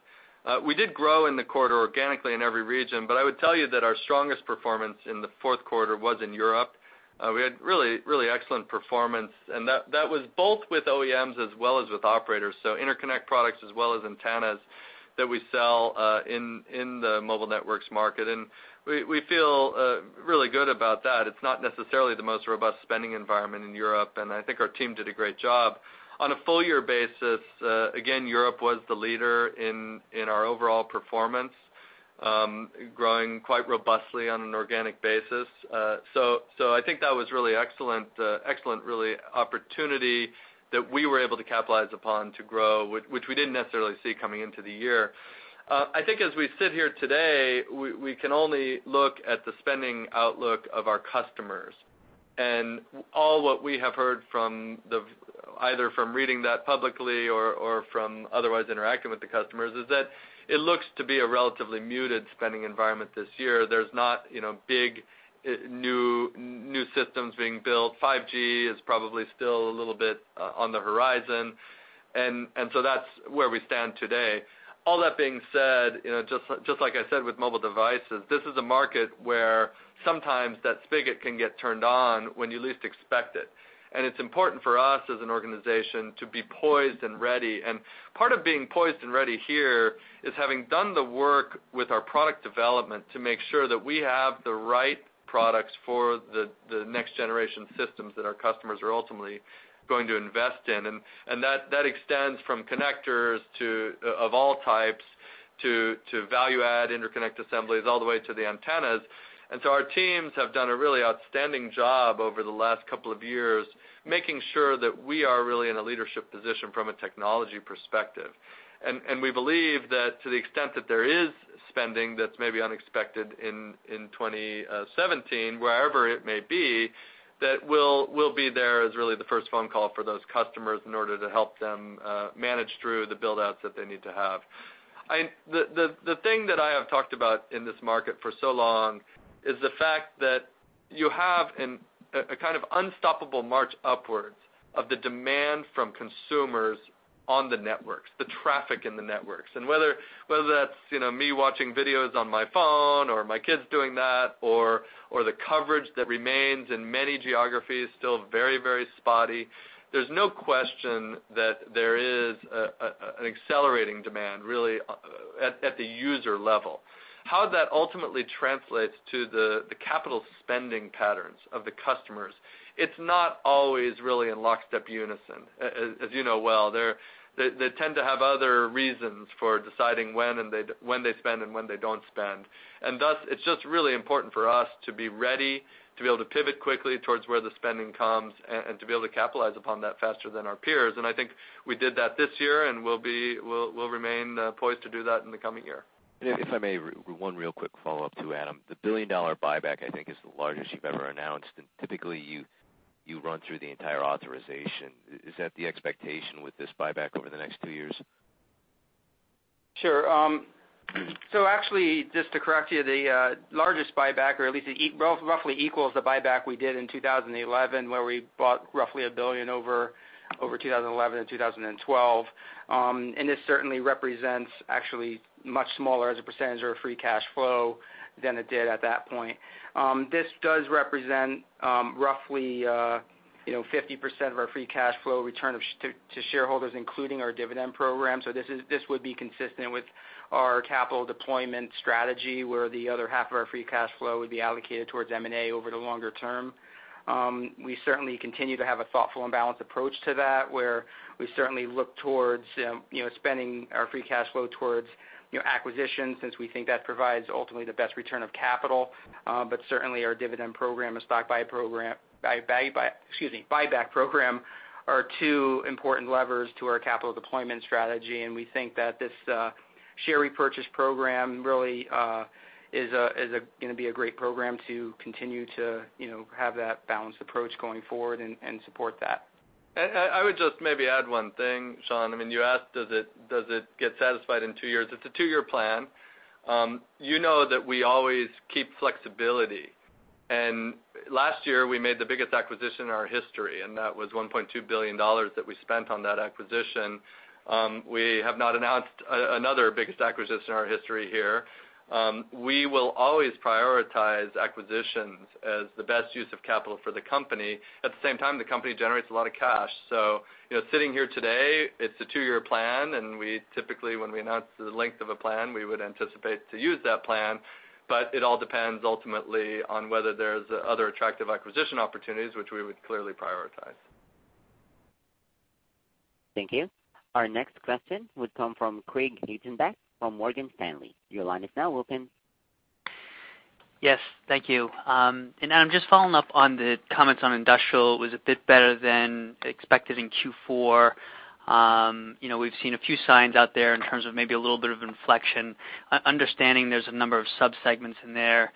we did grow in the quarter organically in every region, but I would tell you that our strongest performance in the fourth quarter was in Europe. We had really, really excellent performance, and that was both with OEMs as well as with operators, so interconnect products as well as antennas that we sell in the mobile networks market. We feel really good about that. It's not necessarily the most robust spending environment in Europe, and I think our team did a great job. On a full year basis, again, Europe was the leader in our overall performance, growing quite robustly on an organic basis. So I think that was really excellent, excellent, really opportunity that we were able to capitalize upon to grow, which we didn't necessarily see coming into the year. I think as we sit here today, we can only look at the spending outlook of our customers. All what we have heard from the, either from reading that publicly or from otherwise interacting with the customers, is that it looks to be a relatively muted spending environment this year. There's not, you know, big, new systems being built. 5G is probably still a little bit on the horizon. And, and so that's where we stand today. All that being said, you know, just like I said, with mobile devices, this is a market where sometimes that spigot can get turned on when you least expect it. And it's important for us, as an organization, to be poised and ready. And part of being poised and ready here is having done the work with our product development to make sure that we have the right products for the next-generation systems that our customers are ultimately going to invest in. And that extends from connectors of all types to value-add interconnect assemblies, all the way to the antennas. And so our teams have done a really outstanding job over the last couple of years, making sure that we are really in a leadership position from a technology perspective. And we believe that to the extent that there is spending that's maybe unexpected in 2017, wherever it may be, that we'll be there as really the first phone call for those customers in order to help them manage through the build-outs that they need to have. The thing that I have talked about in this market for so long is the fact that you have a kind of unstoppable march upwards of the demand from consumers on the networks, the traffic in the networks. Whether that's, you know, me watching videos on my phone or my kids doing that, or the coverage that remains in many geographies still very, very spotty, there's no question that there is an accelerating demand, really, at the user level. How that ultimately translates to the capital spending patterns of the customers, it's not always really in lockstep unison. As you know well, they tend to have other reasons for deciding when they spend and when they don't spend. Thus, it's just really important for us to be ready, to be able to pivot quickly towards where the spending comes, and to be able to capitalize upon that faster than our peers. I think we did that this year, and we'll remain poised to do that in the coming year. If I may, one real quick follow-up to Adam. The $1 billion buyback, I think, is the largest you've ever announced, and typically, you run through the entire authorization. Is that the expectation with this buyback over the next two years? Sure. So actually, just to correct you, the largest buyback, or at least it roughly equals the buyback we did in 2011, where we bought roughly $1 billion over 2011 and 2012. And this certainly represents actually much smaller as a percentage of our free cash flow than it did at that point. This does represent roughly, you know, 50% of our free cash flow return to shareholders, including our dividend program. This would be consistent with our capital deployment strategy, where the other half of our free cash flow would be allocated towards M&A over the longer term. We certainly continue to have a thoughtful and balanced approach to that, where we certainly look towards, you know, spending our free cash flow towards, you know, acquisitions, since we think that provides ultimately the best return of capital. But certainly, our dividend program and stock buy program, value buy, excuse me, buyback program, are two important levers to our capital deployment strategy. And we think that this share repurchase program really is a, is a, gonna be a great program to continue to, you know, have that balanced approach going forward and support that. And I would just maybe add one thing, Shawn. I mean, you asked, does it get satisfied in two years? It's a two-year plan. You know that we always keep flexibility, and last year, we made the biggest acquisition in our history, and that was $1.2 billion that we spent on that acquisition. We have not announced another biggest acquisition in our history here. We will always prioritize acquisitions as the best use of capital for the company. At the same time, the company generates a lot of cash. So you know, sitting here today, it's a two-year plan, and we typically, when we announce the length of a plan, we would anticipate to use that plan, but it all depends ultimately on whether there's other attractive acquisition opportunities, which we would clearly prioritize. Thank you. Our next question would come from Craig Hettenbach from Morgan Stanley. Your line is now open. Yes, thank you. And Adam, just following up on the comments on industrial, it was a bit better than expected in Q4. You know, we've seen a few signs out there in terms of maybe a little bit of inflection. Understanding there's a number of subsegments in there,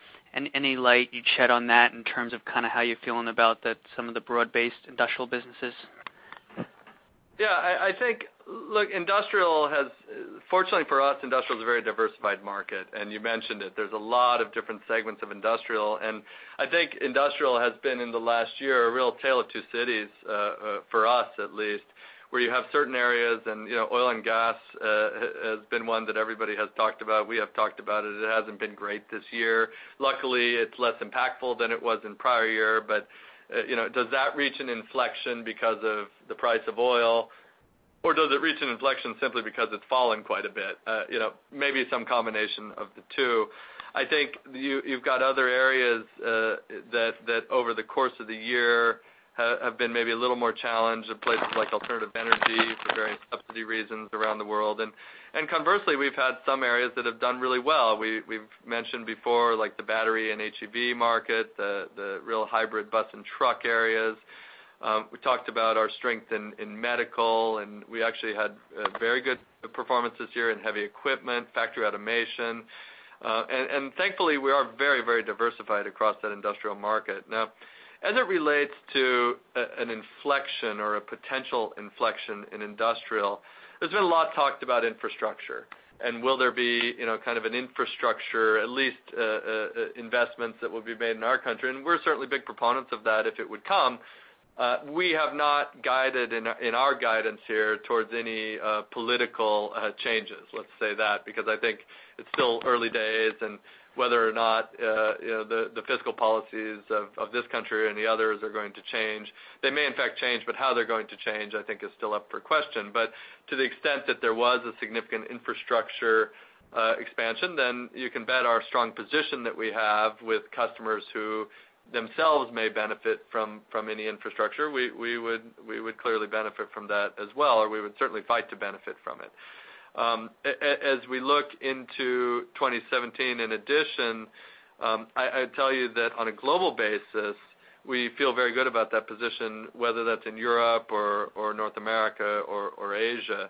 any light you'd shed on that in terms of kind of how you're feeling about the, some of the broad-based industrial businesses? Yeah, I think, look, industrial has, fortunately for us, industrial is a very diversified market, and you mentioned it. There's a lot of different segments of industrial, and I think industrial has been, in the last year, a real tale of two cities, for us at least, where you have certain areas, and, you know, oil and gas has been one that everybody has talked about. We have talked about it. It hasn't been great this year. Luckily, it's less impactful than it was in prior year, but, you know, does that reach an inflection because of the price of oil, or does it reach an inflection simply because it's fallen quite a bit? You know, maybe some combination of the two. I think you, you've got other areas that over the course of the year have been maybe a little more challenged in places like alternative energy for various subsidy reasons around the world. And conversely, we've had some areas that have done really well. We've mentioned before, like the battery and HEV market, the real hybrid bus and truck areas. We talked about our strength in medical, and we actually had a very good performance this year in heavy equipment, factory automation. And thankfully, we are very, very diversified across that industrial market. Now, as it relates to an inflection or a potential inflection in industrial... There's been a lot talked about infrastructure, and will there be, you know, kind of an infrastructure, at least, investments that will be made in our country? We're certainly big proponents of that if it would come. We have not guided in our guidance here towards any political changes, let's say that, because I think it's still early days, and whether or not, you know, the fiscal policies of this country or any others are going to change. They may, in fact, change, but how they're going to change, I think is still up for question. But to the extent that there was a significant infrastructure expansion, then you can bet our strong position that we have with customers who themselves may benefit from any infrastructure, we would clearly benefit from that as well, or we would certainly fight to benefit from it. As we look into 2017, in addition, I'd tell you that on a global basis, we feel very good about that position, whether that's in Europe or North America or Asia.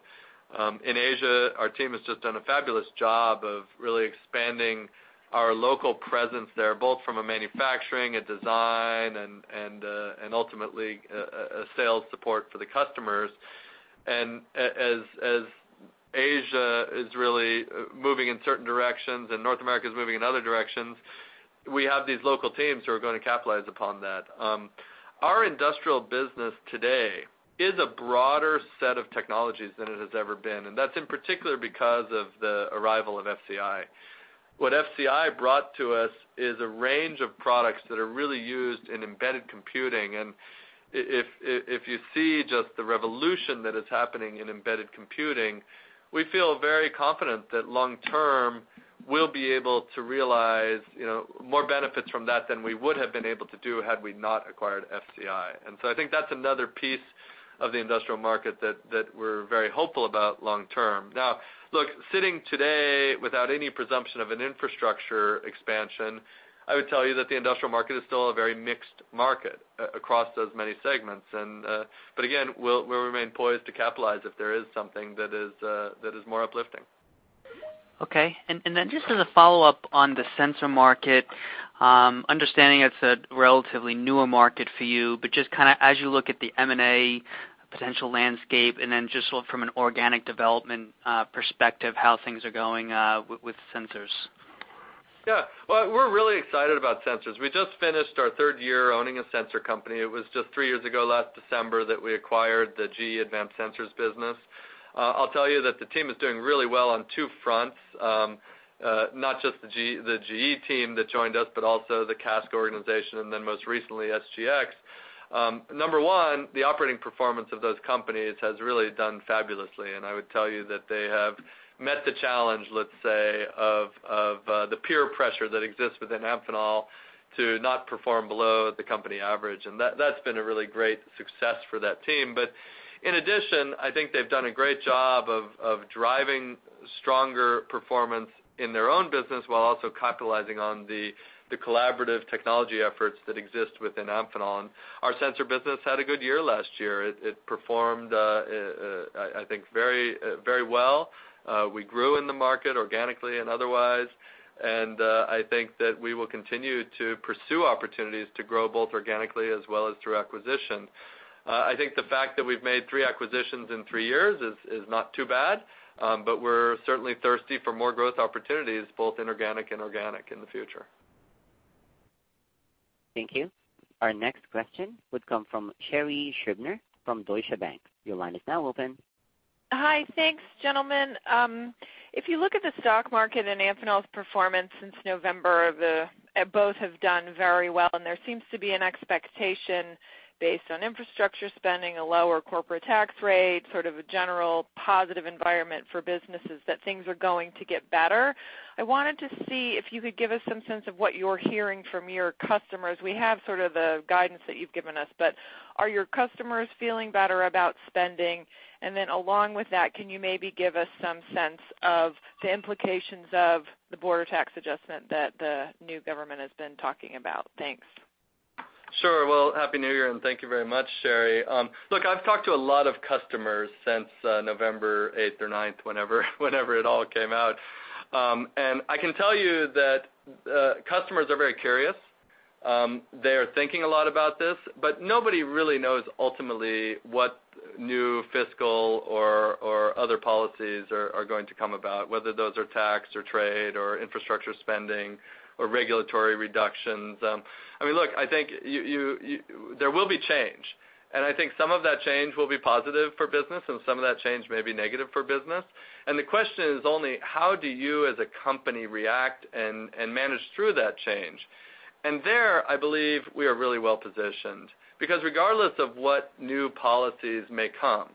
In Asia, our team has just done a fabulous job of really expanding our local presence there, both from a manufacturing, a design, and ultimately a sales support for the customers. As Asia is really moving in certain directions and North America is moving in other directions, we have these local teams who are going to capitalize upon that. Our industrial business today is a broader set of technologies than it has ever been, and that's in particular because of the arrival of FCI. What FCI brought to us is a range of products that are really used in embedded computing, and if you see just the revolution that is happening in embedded computing, we feel very confident that long term, we'll be able to realize, you know, more benefits from that than we would have been able to do had we not acquired FCI. And so I think that's another piece of the industrial market that we're very hopeful about long term. Now, look, sitting today without any presumption of an infrastructure expansion, I would tell you that the industrial market is still a very mixed market across those many segments. And, but again, we'll remain poised to capitalize if there is something that is more uplifting. Okay. And then just as a follow-up on the sensor market, understanding it's a relatively newer market for you, but just kind of as you look at the M&A potential landscape, and then just look from an organic development perspective, how things are going with sensors? Yeah. Well, we're really excited about sensors. We just finished our third year owning a sensor company. It was just three years ago, last December, that we acquired the GE Advanced Sensors business. I'll tell you that the team is doing really well on two fronts, not just the GE team that joined us, but also the CASCO organization, and then most recently, SGX. Number one, the operating performance of those companies has really done fabulously, and I would tell you that they have met the challenge, let's say, of, of, the peer pressure that exists within Amphenol to not perform below the company average. And that, that's been a really great success for that team. In addition, I think they've done a great job of driving stronger performance in their own business while also capitalizing on the collaborative technology efforts that exist within Amphenol. Our sensor business had a good year last year. It performed. I think very well. We grew in the market organically and otherwise, and I think that we will continue to pursue opportunities to grow both organically as well as through acquisition. I think the fact that we've made 3 acquisitions in 3 years is not too bad, but we're certainly thirsty for more growth opportunities, both inorganic and organic in the future. Thank you. Our next question would come from Sherri Scribner from Deutsche Bank. Your line is now open. Hi. Thanks, gentlemen. If you look at the stock market and Amphenol's performance since November, both have done very well, and there seems to be an expectation based on infrastructure spending, a lower corporate tax rate, sort of a general positive environment for businesses, that things are going to get better. I wanted to see if you could give us some sense of what you're hearing from your customers. We have sort of the guidance that you've given us, but are your customers feeling better about spending? And then along with that, can you maybe give us some sense of the implications of the border tax adjustment that the new government has been talking about? Thanks. Sure. Well, Happy New Year, and thank you very much, Sherri. Look, I've talked to a lot of customers since November 8th or 9th, whenever it all came out. And I can tell you that customers are very curious. They are thinking a lot about this, but nobody really knows ultimately what new fiscal or other policies are going to come about, whether those are tax, or trade, or infrastructure spending, or regulatory reductions. I mean, look, I think you—there will be change, and I think some of that change will be positive for business, and some of that change may be negative for business. And the question is only: How do you, as a company, react and manage through that change? There, I believe we are really well positioned, because regardless of what new policies may come,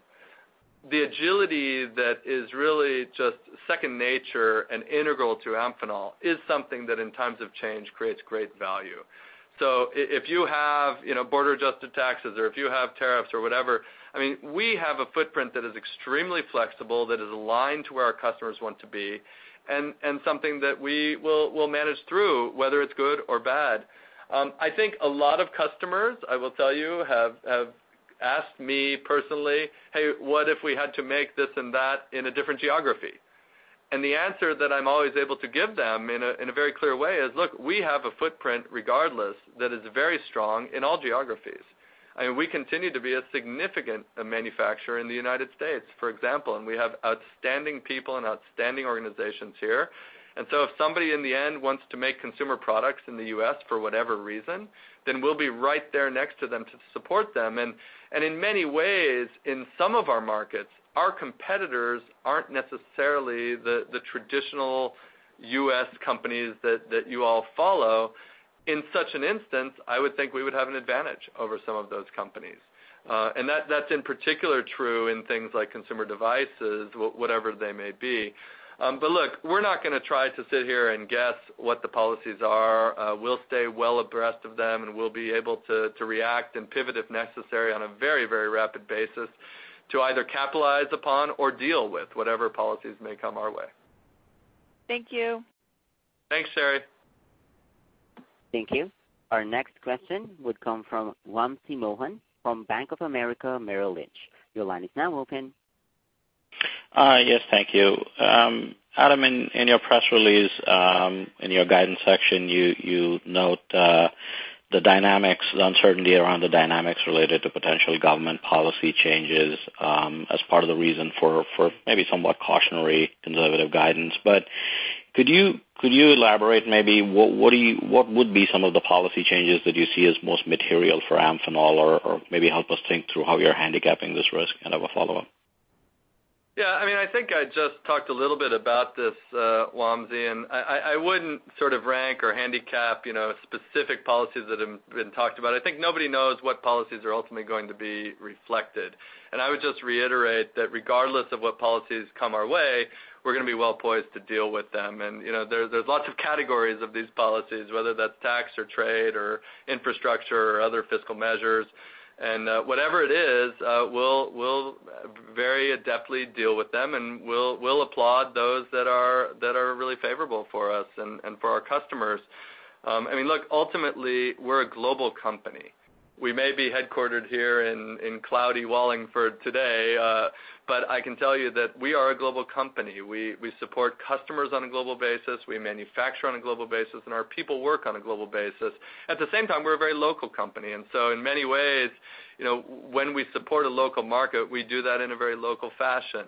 the agility that is really just second nature and integral to Amphenol is something that, in times of change, creates great value. So if you have, you know, border-adjusted taxes or if you have tariffs or whatever, I mean, we have a footprint that is extremely flexible, that is aligned to where our customers want to be, and something that we will, we'll manage through, whether it's good or bad. I think a lot of customers, I will tell you, have asked me personally, "Hey, what if we had to make this and that in a different geography?" And the answer that I'm always able to give them in a very clear way is, look, we have a footprint regardless, that is very strong in all geographies. I mean, we continue to be a significant manufacturer in the United States, for example, and we have outstanding people and outstanding organizations here. And so if somebody in the end wants to make consumer products in the US for whatever reason, then we'll be right there next to them to support them. And in many ways, in some of our markets, our competitors aren't necessarily the traditional US companies that you all follow. In such an instance, I would think we would have an advantage over some of those companies. And that's in particular true in things like consumer devices, whatever they may be. But look, we're not gonna try to sit here and guess what the policies are. We'll stay well abreast of them, and we'll be able to react and pivot, if necessary, on a very, very rapid basis to either capitalize upon or deal with whatever policies may come our way. Thank you. Thanks, Sherri. Thank you. Our next question would come from Wamsi Mohan from Bank of America Merrill Lynch. Your line is now open. Yes, thank you. Adam, in your press release, in your guidance section, you note the dynamics, the uncertainty around the dynamics related to potential government policy changes, as part of the reason for maybe somewhat cautionary conservative guidance. But could you elaborate maybe, what would be some of the policy changes that you see as most material for Amphenol, or maybe help us think through how you're handicapping this risk? And I have a follow-up. Yeah, I mean, I think I just talked a little bit about this, Wamsi, and I wouldn't sort of rank or handicap, you know, specific policies that have been talked about. I think nobody knows what policies are ultimately going to be reflected. And I would just reiterate that regardless of what policies come our way, we're gonna be well poised to deal with them. And, you know, there's lots of categories of these policies, whether that's tax or trade or infrastructure or other fiscal measures. And, whatever it is, we'll very adeptly deal with them, and we'll applaud those that are really favorable for us and for our customers. I mean, look, ultimately, we're a global company. We may be headquartered here in cloudy Wallingford today, but I can tell you that we are a global company. We support customers on a global basis, we manufacture on a global basis, and our people work on a global basis. At the same time, we're a very local company, and so in many ways, you know, when we support a local market, we do that in a very local fashion.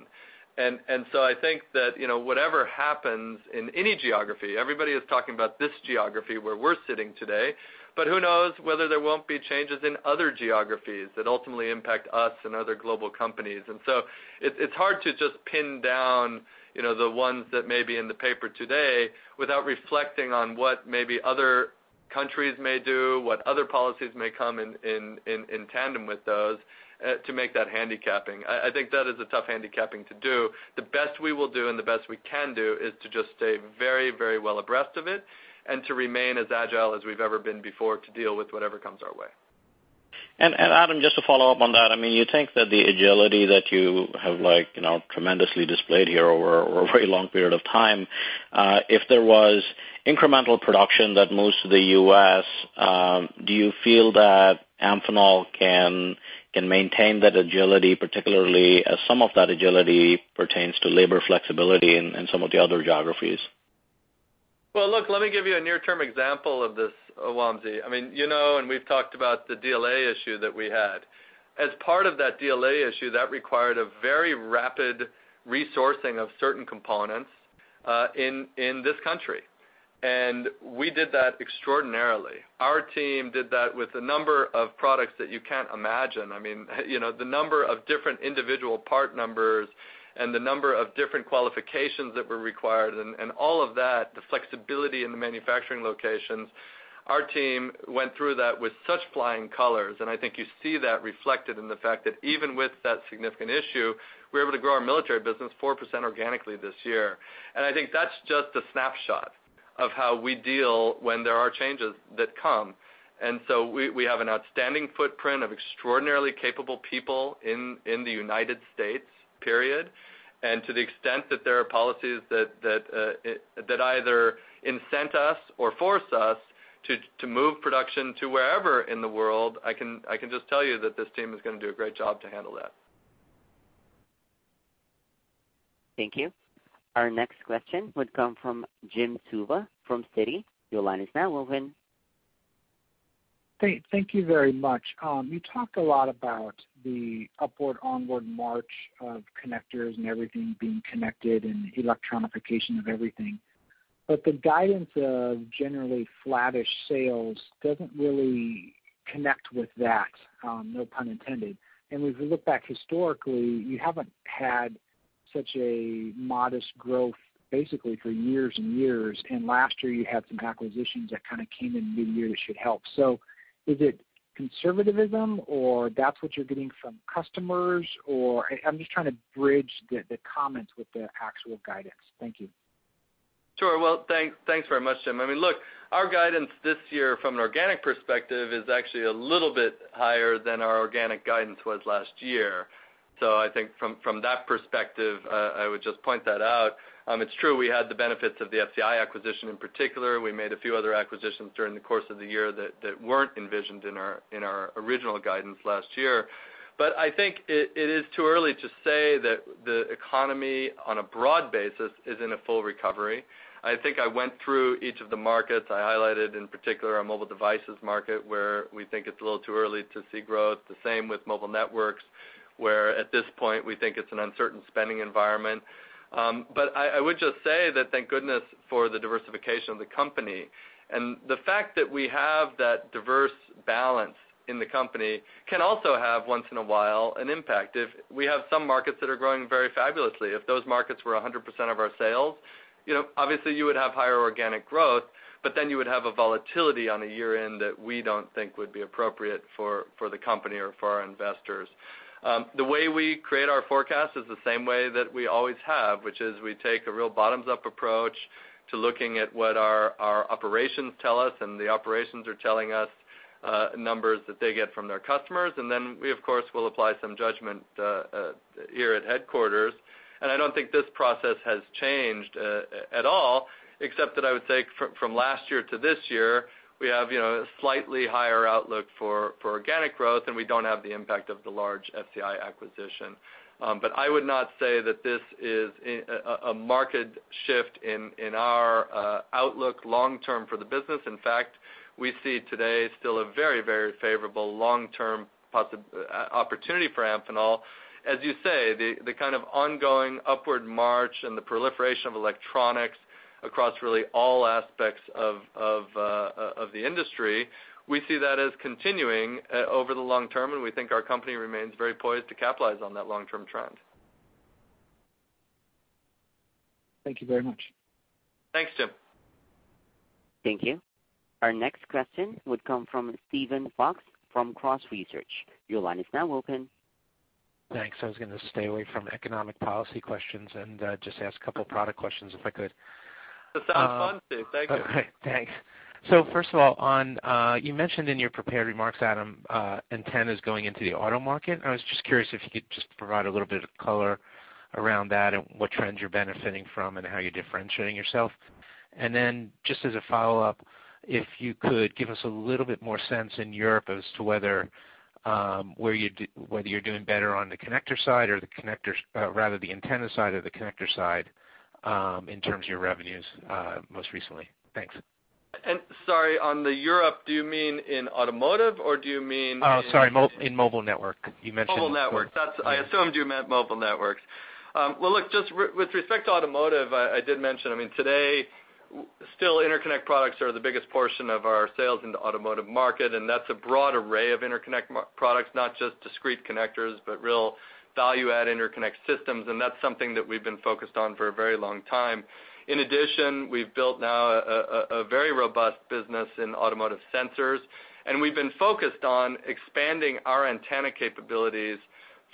So I think that, you know, whatever happens in any geography, everybody is talking about this geography where we're sitting today, but who knows whether there won't be changes in other geographies that ultimately impact us and other global companies. It's hard to just pin down, you know, the ones that may be in the paper today without reflecting on what maybe other countries may do, what other policies may come in tandem with those, to make that handicapping. I think that is a tough handicapping to do. The best we will do and the best we can do is to just stay very, very well abreast of it and to remain as agile as we've ever been before, to deal with whatever comes our way. Adam, just to follow up on that, I mean, you think that the agility that you have, like, you know, tremendously displayed here over a very long period of time, if there was incremental production that moves to the U.S., do you feel that Amphenol can maintain that agility, particularly as some of that agility pertains to labor flexibility in some of the other geographies? Well, look, let me give you a near-term example of this, Wamsi. I mean, you know, and we've talked about the DLA issue that we had. As part of that DLA issue, that required a very rapid resourcing of certain components in this country, and we did that extraordinarily. Our team did that with a number of products that you can't imagine. I mean, you know, the number of different individual part numbers and the number of different qualifications that were required and all of that, the flexibility in the manufacturing locations, our team went through that with such flying colors, and I think you see that reflected in the fact that even with that significant issue, we were able to grow our military business 4% organically this year. And I think that's just a snapshot of how we deal when there are changes that come. So we have an outstanding footprint of extraordinarily capable people in the United States, period. To the extent that there are policies that either incent us or force us to move production to wherever in the world, I can just tell you that this team is gonna do a great job to handle that. Thank you. Our next question would come from Jim Suva from Citi. Your line is now open. Great, thank you very much. You talked a lot about the upward onward march of connectors and everything being connected and electronification of everything, but the guidance of generally flattish sales doesn't really connect with that, no pun intended. And if we look back historically, you haven't had such a modest growth, basically for years and years, and last year you had some acquisitions that kind of came in midyear that should help. So is it conservatism, or that's what you're getting from customers, or... I'm just trying to bridge the comments with the actual guidance. Thank you. Sure. Well, thanks, thanks very much, Jim. I mean, look, our guidance this year from an organic perspective is actually a little bit higher than our organic guidance was last year. So I think from that perspective, I would just point that out. It's true, we had the benefits of the FCI acquisition in particular. We made a few other acquisitions during the course of the year that weren't envisioned in our original guidance last year. But I think it is too early to say that the economy, on a broad basis, is in a full recovery. I think I went through each of the markets. I highlighted, in particular, our mobile devices market, where we think it's a little too early to see growth. The same with mobile networks, where at this point, we think it's an uncertain spending environment. But I would just say that thank goodness for the diversification of the company. And the fact that we have that diverse balance in the company can also have, once in a while, an impact. If we have some markets that are growing very fabulously, if those markets were 100% of our sales, you know, obviously, you would have higher organic growth, but then you would have a volatility on a year-end that we don't think would be appropriate for the company or for our investors. The way we create our forecast is the same way that we always have, which is we take a real bottoms-up approach to looking at what our operations tell us, and the operations are telling us numbers that they get from their customers. Then we, of course, will apply some judgment here at headquarters. I don't think this process has changed at all, except that I would say from last year to this year, we have, you know, a slightly higher outlook for organic growth, and we don't have the impact of the large FCI acquisition. But I would not say that this is a market shift in our outlook long term for the business. In fact, we see today still a very, very favorable long-term opportunity for Amphenol. As you say, the kind of ongoing upward march and the proliferation of electronics across really all aspects of the industry, we see that as continuing over the long term, and we think our company remains very poised to capitalize on that long-term trend. Thank you very much. Thanks, Jim. Thank you. Our next question would come from Steven Fox from Cross Research. Your line is now open. Thanks. I was gonna stay away from economic policy questions and just ask a couple product questions if I could. That sounds fun, Steve. Thank you. Thanks. So first of all, on you mentioned in your prepared remarks, Adam, antennas going into the auto market. I was just curious if you could just provide a little bit of color around that, and what trends you're benefiting from, and how you're differentiating yourself. And then just as a follow-up, if you could give us a little bit more sense in Europe as to whether you're doing better on the connector side or rather the antenna side or the connector side, in terms of your revenues, most recently. Thanks. And sorry, on the Europe, do you mean in automotive or do you mean in- Oh, sorry, in mobile network. You mentioned- Mobile network. That's—I assumed you meant mobile networks. Well, look, just with respect to automotive, I did mention, I mean, today, still interconnect products are the biggest portion of our sales in the automotive market, and that's a broad array of interconnect products, not just discrete connectors, but real value-add interconnect systems, and that's something that we've been focused on for a very long time. In addition, we've built now a very robust business in automotive sensors, and we've been focused on expanding our antenna capabilities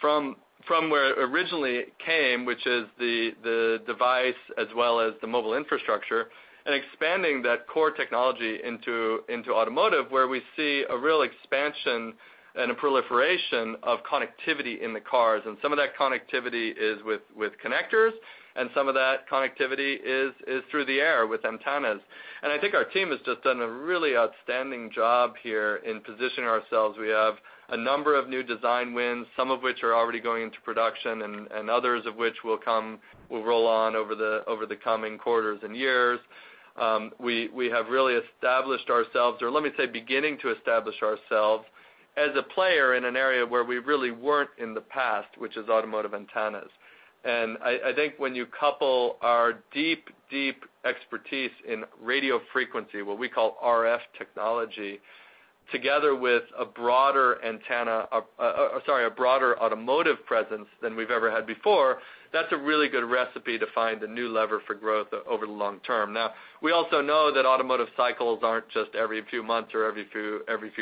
from where it originally came, which is the device as well as the mobile infrastructure, and expanding that core technology into automotive, where we see a real expansion and a proliferation of connectivity in the cars. And some of that connectivity is with connectors, and some of that connectivity is through the air with antennas. And I think our team has just done a really outstanding job here in positioning ourselves. We have a number of new design wins, some of which are already going into production and others of which will come, will roll on over the coming quarters and years. We have really established ourselves, or let me say, beginning to establish ourselves as a player in an area where we really weren't in the past, which is automotive antennas. I think when you couple our deep, deep expertise in radio frequency, what we call RF technology, together with a broader automotive presence than we've ever had before, that's a really good recipe to find a new lever for growth over the long term. Now, we also know that automotive cycles aren't just every few months or every few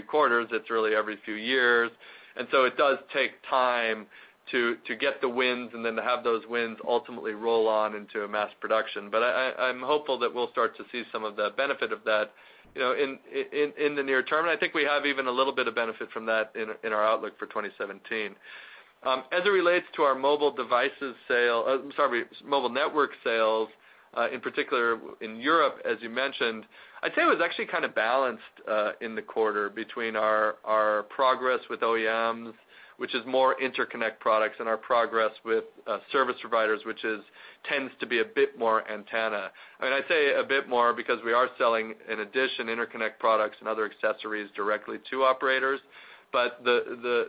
quarters, it's really every few years, and so it does take time to get the wins and then to have those wins ultimately roll on into a mass production. But I'm hopeful that we'll start to see some of the benefit of that, you know, in the near term, and I think we have even a little bit of benefit from that in our outlook for 2017. As it relates to our mobile devices sale, sorry, mobile network sales, in particular in Europe, as you mentioned, I'd say it was actually kind of balanced, in the quarter between our progress with OEMs, which is more interconnect products, and our progress with service providers, which tends to be a bit more antenna. I mean, I say a bit more because we are selling, in addition, interconnect products and other accessories directly to operators, but the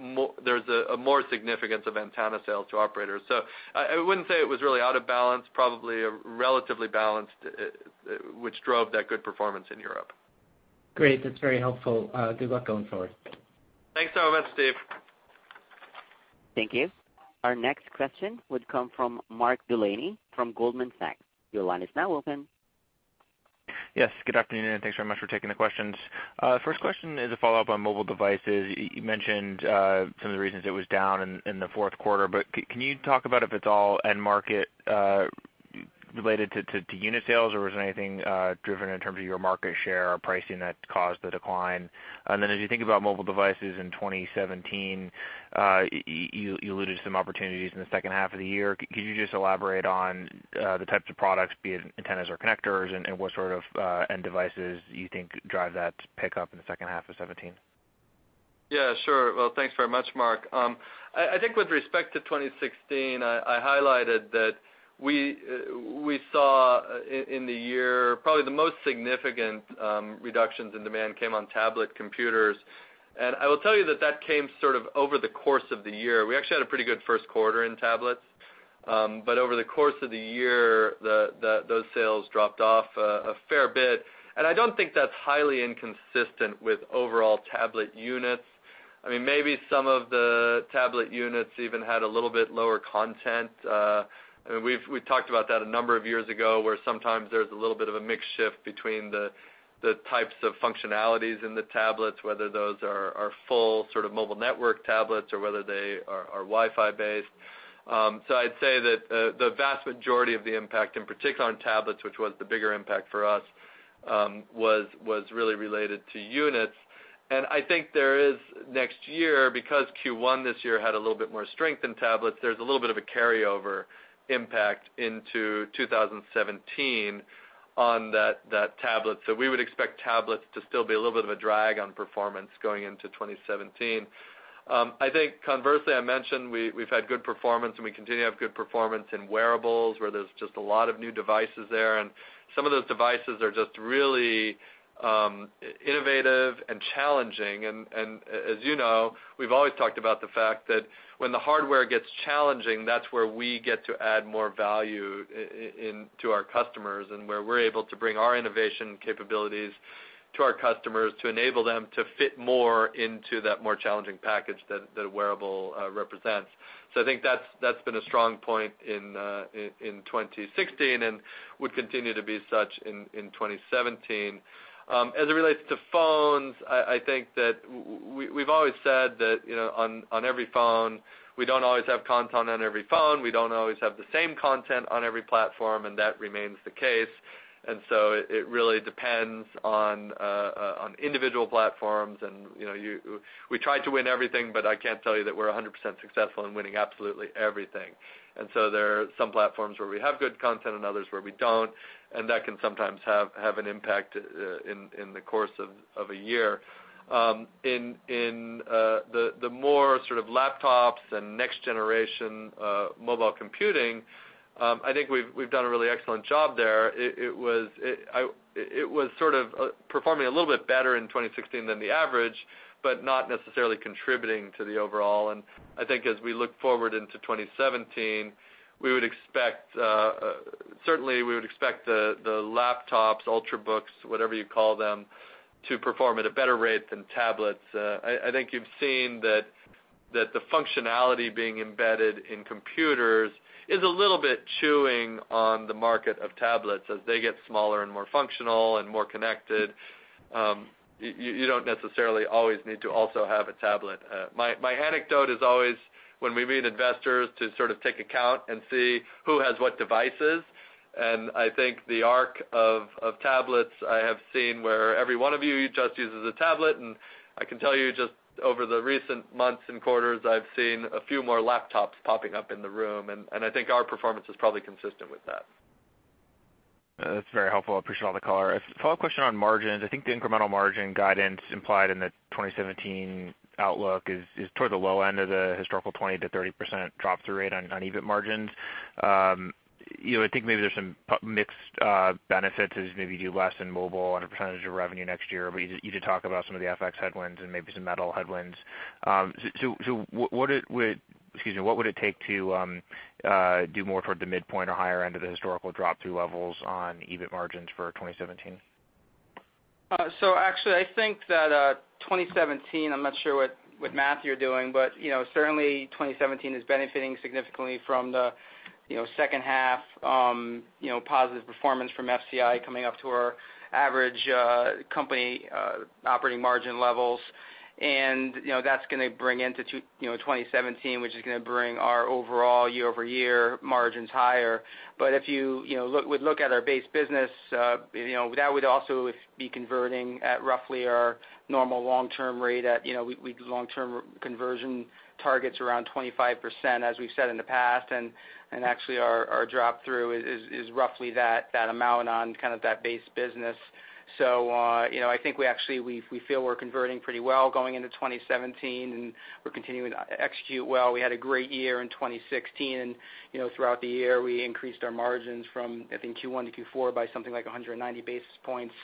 more, there's a more significance of antenna sales to operators. So I wouldn't say it was really out of balance, probably a relatively balanced, which drove that good performance in Europe. Great. That's very helpful. Good luck going forward. Thanks so much, Steve. Thank you. Our next question would come from Mark Delaney from Goldman Sachs. Your line is now open. Yes, good afternoon, and thanks very much for taking the questions. First question is a follow-up on mobile devices. You mentioned some of the reasons it was down in the fourth quarter, but can you talk about if it's all end market related to unit sales, or was there anything driven in terms of your market share or pricing that caused the decline? And then as you think about mobile devices in 2017, you alluded to some opportunities in the second half of the year. Could you just elaborate on the types of products, be it antennas or connectors, and what sort of end devices you think drive that pickup in the second half of 2017?... Yeah, sure. Well, thanks very much, Mark. I think with respect to 2016, I highlighted that we saw in the year, probably the most significant reductions in demand came on tablet computers. And I will tell you that that came sort of over the course of the year. We actually had a pretty good first quarter in tablets. But over the course of the year, those sales dropped off a fair bit. And I don't think that's highly inconsistent with overall tablet units. I mean, maybe some of the tablet units even had a little bit lower content. I mean, we've talked about that a number of years ago, where sometimes there's a little bit of a mix shift between the types of functionalities in the tablets, whether those are full sort of mobile network tablets or whether they are Wi-Fi based. So I'd say that the vast majority of the impact, in particular on tablets, which was the bigger impact for us, was really related to units. And I think there is next year, because Q1 this year had a little bit more strength in tablets, there's a little bit of a carryover impact into 2017 on that tablet. So we would expect tablets to still be a little bit of a drag on performance going into 2017. I think conversely, I mentioned, we, we've had good performance, and we continue to have good performance in wearables, where there's just a lot of new devices there. And some of those devices are just really innovative and challenging. And as you know, we've always talked about the fact that when the hardware gets challenging, that's where we get to add more value in to our customers, and where we're able to bring our innovation capabilities to our customers to enable them to fit more into that more challenging package that a wearable represents. So I think that's been a strong point in 2016 and would continue to be such in 2017. As it relates to phones, I think that we've always said that, you know, on every phone, we don't always have content on every phone. We don't always have the same content on every platform, and that remains the case. So it really depends on individual platforms. You know, we try to win everything, but I can't tell you that we're 100% successful in winning absolutely everything. So there are some platforms where we have good content and others where we don't, and that can sometimes have an impact in the course of a year. In the more sort of laptops and next generation mobile computing, I think we've done a really excellent job there. It was sort of performing a little bit better in 2016 than the average, but not necessarily contributing to the overall. And I think as we look forward into 2017, we would expect certainly we would expect the laptops, Ultrabooks, whatever you call them, to perform at a better rate than tablets. I think you've seen that the functionality being embedded in computers is a little bit chewing on the market of tablets. As they get smaller and more functional and more connected, you don't necessarily always need to also have a tablet. My anecdote is always when we meet investors to sort of take a count and see who has what devices, and I think the arc of tablets I have seen where every one of you just uses a tablet. And I can tell you just over the recent months and quarters, I've seen a few more laptops popping up in the room, and I think our performance is probably consistent with that. That's very helpful. I appreciate all the color. A follow-up question on margins. I think the incremental margin guidance implied in the 2017 outlook is toward the low end of the historical 20%-30% drop-through rate on EBIT margins. You know, I think maybe there's some product mix benefits as maybe you do less in mobile on a percentage of revenue next year, but you did talk about some of the FX headwinds and maybe some metal headwinds. So, what would it... Excuse me, what would it take to do more toward the midpoint or higher end of the historical drop-through levels on EBIT margins for 2017? So actually, I think that, 2017, I'm not sure what math you're doing, but, you know, certainly 2017 is benefiting significantly from the, you know, second half, you know, positive performance from FCI coming up to our average, company, operating margin levels. And, you know, that's gonna bring into two, you know, 2017, which is gonna bring our overall year-over-year margins higher. But if you, you know, look at our base business, you know, that would also be converting at roughly our normal long-term rate at, you know, we do long-term conversion targets around 25%, as we've said in the past. And actually, our drop-through is roughly that amount on kind of that base business. So, you know, I think we actually, we, we feel we're converting pretty well going into 2017, and we're continuing to execute well. We had a great year in 2016, and, you know, throughout the year, we increased our margins from, I think, Q1 to Q4 by something like 190 basis points.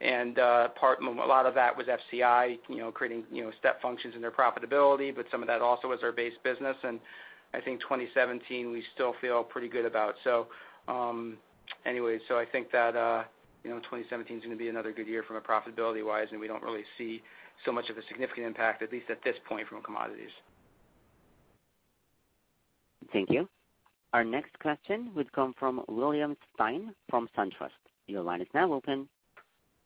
And, a lot of that was FCI, you know, creating, you know, step functions in their profitability, but some of that also was our base business, and I think 2017 we still feel pretty good about. So, anyways, so I think that, you know, 2017's gonna be another good year from a profitability-wise, and we don't really see so much of a significant impact, at least at this point, from commodities. Thank you. Our next question would come from William Stein from SunTrust. Your line is now open.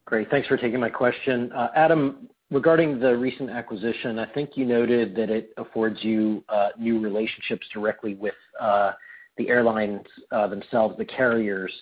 Great, thanks for taking my question. Adam, regarding the recent acquisition, I think you noted that it affords you new relationships directly with the airlines themselves, the carriers.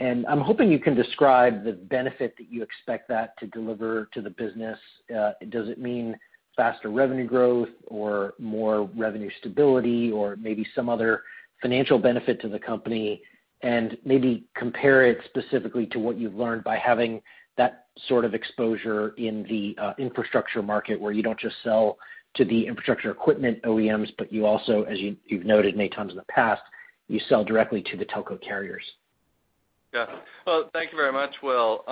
I'm hoping you can describe the benefit that you expect that to deliver to the business. Does it mean faster revenue growth or more revenue stability, or maybe some other financial benefit to the company? Maybe compare it specifically to what you've learned by having that sort of exposure in the infrastructure market, where you don't just sell to the infrastructure equipment OEMs, but you also, as you've noted many times in the past, you sell directly to the telco carriers. Yeah. Well, thank you very much, Will.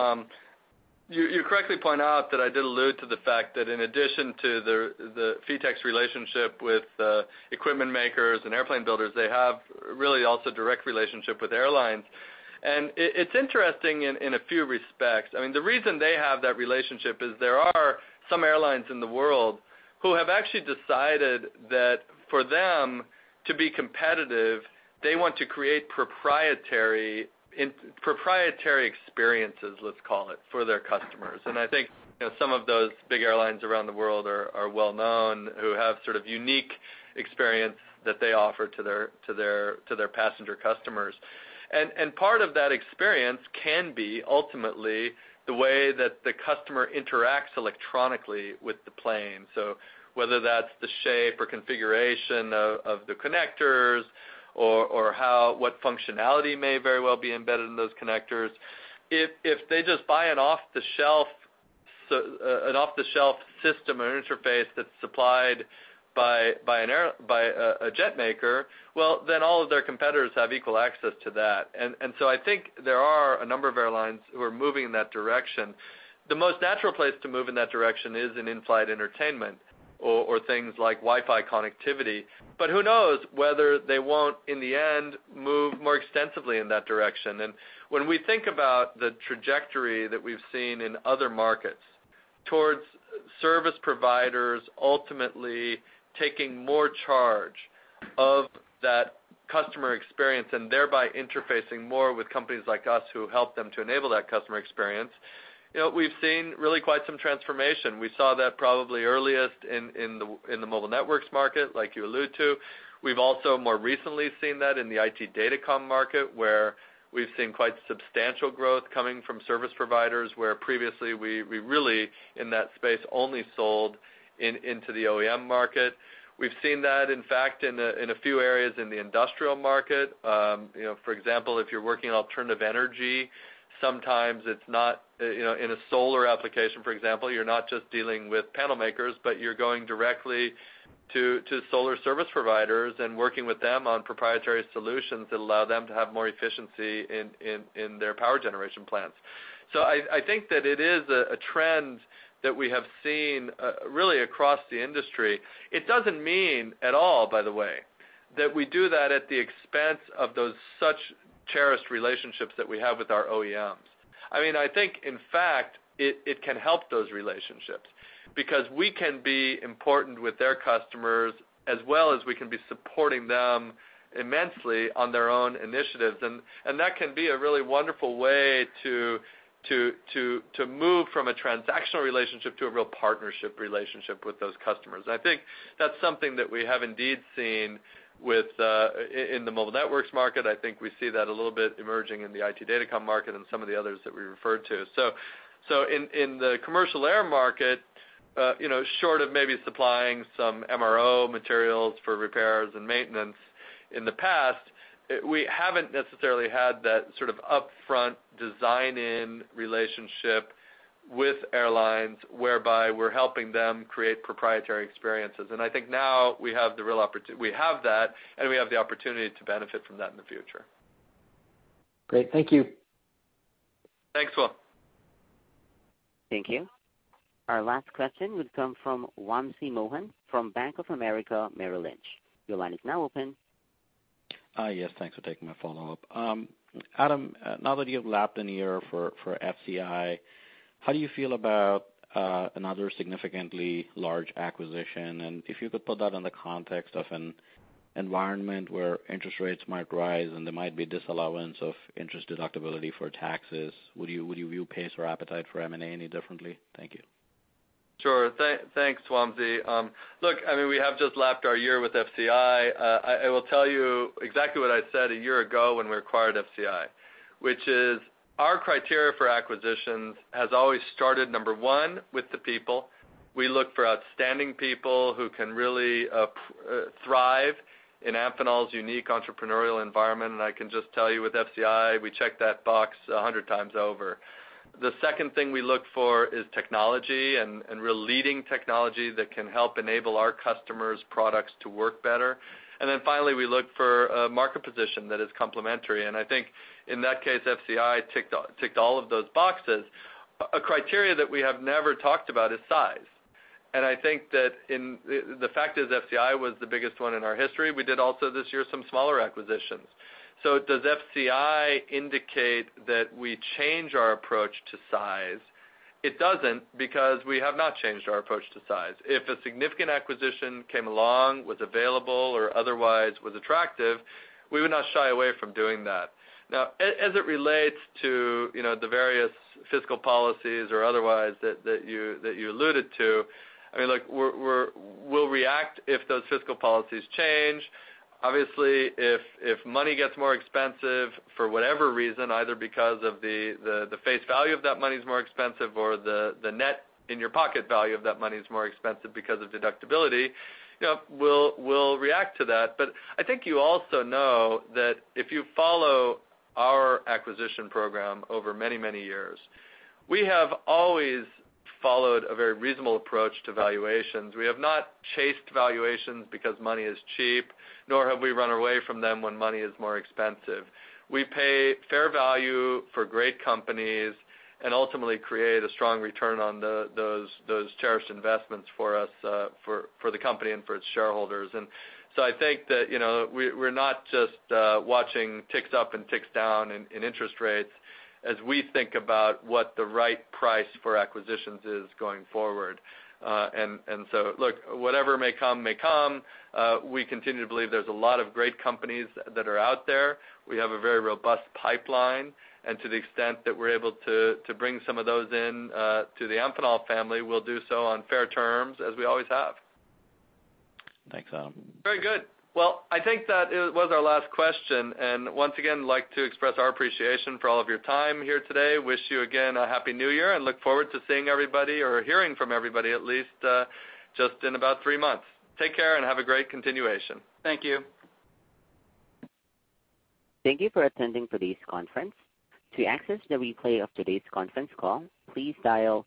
You correctly point out that I did allude to the fact that in addition to the Phitek's relationship with equipment makers and airplane builders, they have really also direct relationship with airlines. And it's interesting in a few respects. I mean, the reason they have that relationship is there are some airlines in the world who have actually decided that for them to be competitive, they want to create proprietary experiences, let's call it, for their customers. And I think, you know, some of those big airlines around the world are well known, who have sort of unique experience that they offer to their passenger customers. And part of that experience can be ultimately the way that the customer interacts electronically with the plane. So whether that's the shape or configuration of the connectors or what functionality may very well be embedded in those connectors. If they just buy an off-the-shelf system or interface that's supplied by a jet maker, well, then all of their competitors have equal access to that. And so I think there are a number of airlines who are moving in that direction. The most natural place to move in that direction is in-flight entertainment or things like Wi-Fi connectivity, but who knows whether they won't, in the end, move more extensively in that direction? When we think about the trajectory that we've seen in other markets, towards service providers ultimately taking more charge of that customer experience, and thereby interfacing more with companies like us, who help them to enable that customer experience, you know, we've seen really quite some transformation. We saw that probably earliest in the mobile networks market, like you allude to. We've also more recently seen that in the IT Datacom market, where we've seen quite substantial growth coming from service providers, where previously we really, in that space, only sold into the OEM market. We've seen that, in fact, in a few areas in the industrial market. You know, for example, if you're working on alternative energy, sometimes it's not, you know, in a solar application, for example, you're not just dealing with panel makers, but you're going directly to solar service providers and working with them on proprietary solutions that allow them to have more efficiency in their power generation plants. So I think that it is a trend that we have seen, really across the industry. It doesn't mean at all, by the way, that we do that at the expense of those such cherished relationships that we have with our OEMs. I mean, I think, in fact, it can help those relationships because we can be important with their customers, as well as we can be supporting them immensely on their own initiatives, and that can be a really wonderful way to move from a transactional relationship to a real partnership relationship with those customers. I think that's something that we have indeed seen with in the mobile networks market. I think we see that a little bit emerging in the IT datacom market and some of the others that we referred to. So in the commercial air market, you know, short of maybe supplying some MRO materials for repairs and maintenance in the past, we haven't necessarily had that sort of upfront design-in relationship with airlines, whereby we're helping them create proprietary experiences. I think now we have the real opportunity. We have that, and we have the opportunity to benefit from that in the future. Great. Thank you. Thanks, Will. Thank you. Our last question would come from Wamsi Mohan from Bank of America Merrill Lynch. Your line is now open. Yes, thanks for taking my follow-up. Adam, now that you have lapped in the year for, for FCI, how do you feel about another significantly large acquisition? And if you could put that in the context of an environment where interest rates might rise, and there might be disallowance of interest deductibility for taxes, would you view pace or appetite for M&A any differently? Thank you. Sure. Thanks, Wamsi. Look, I mean, we have just lapped our year with FCI. I will tell you exactly what I said a year ago when we acquired FCI, which is our criteria for acquisitions has always started, number one, with the people. We look for outstanding people who can really thrive in Amphenol's unique entrepreneurial environment, and I can just tell you, with FCI, we checked that box 100 times over. The second thing we look for is technology and real leading technology that can help enable our customers' products to work better. And then finally, we look for a market position that is complementary. And I think in that case, FCI ticked all of those boxes. A criteria that we have never talked about is size, and I think that the fact is, FCI was the biggest one in our history. We did also, this year, some smaller acquisitions. So does FCI indicate that we change our approach to size? It doesn't, because we have not changed our approach to size. If a significant acquisition came along, was available, or otherwise was attractive, we would not shy away from doing that. Now, as it relates to, you know, the various fiscal policies or otherwise that you alluded to, I mean, look, we'll react if those fiscal policies change. Obviously, if money gets more expensive for whatever reason, either because of the face value of that money is more expensive or the net in your pocket value of that money is more expensive because of deductibility, you know, we'll react to that. But I think you also know that if you follow our acquisition program over many, many years, we have always followed a very reasonable approach to valuations. We have not chased valuations because money is cheap, nor have we run away from them when money is more expensive. We pay fair value for great companies and ultimately create a strong return on those cherished investments for us, for the company and for its shareholders. So I think that, you know, we're not just watching ticks up and ticks down in interest rates as we think about what the right price for acquisitions is going forward. So look, whatever may come, may come, we continue to believe there's a lot of great companies that are out there. We have a very robust pipeline, and to the extent that we're able to bring some of those in to the Amphenol family, we'll do so on fair terms, as we always have. Thanks, Adam. Very good. Well, I think that it was our last question, and once again, like to express our appreciation for all of your time here today. Wish you, again, a happy New Year, and look forward to seeing everybody or hearing from everybody, at least, just in about three months. Take care and have a great continuation. Thank you. Thank you for attending today's conference. To access the replay of today's conference call, please dial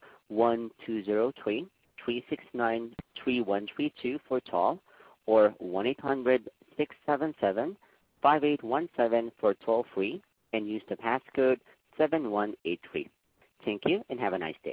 1-203-369-3132 for toll, or 1-800-677-5817 for toll-free, and use the passcode 7183. Thank you, and have a nice day.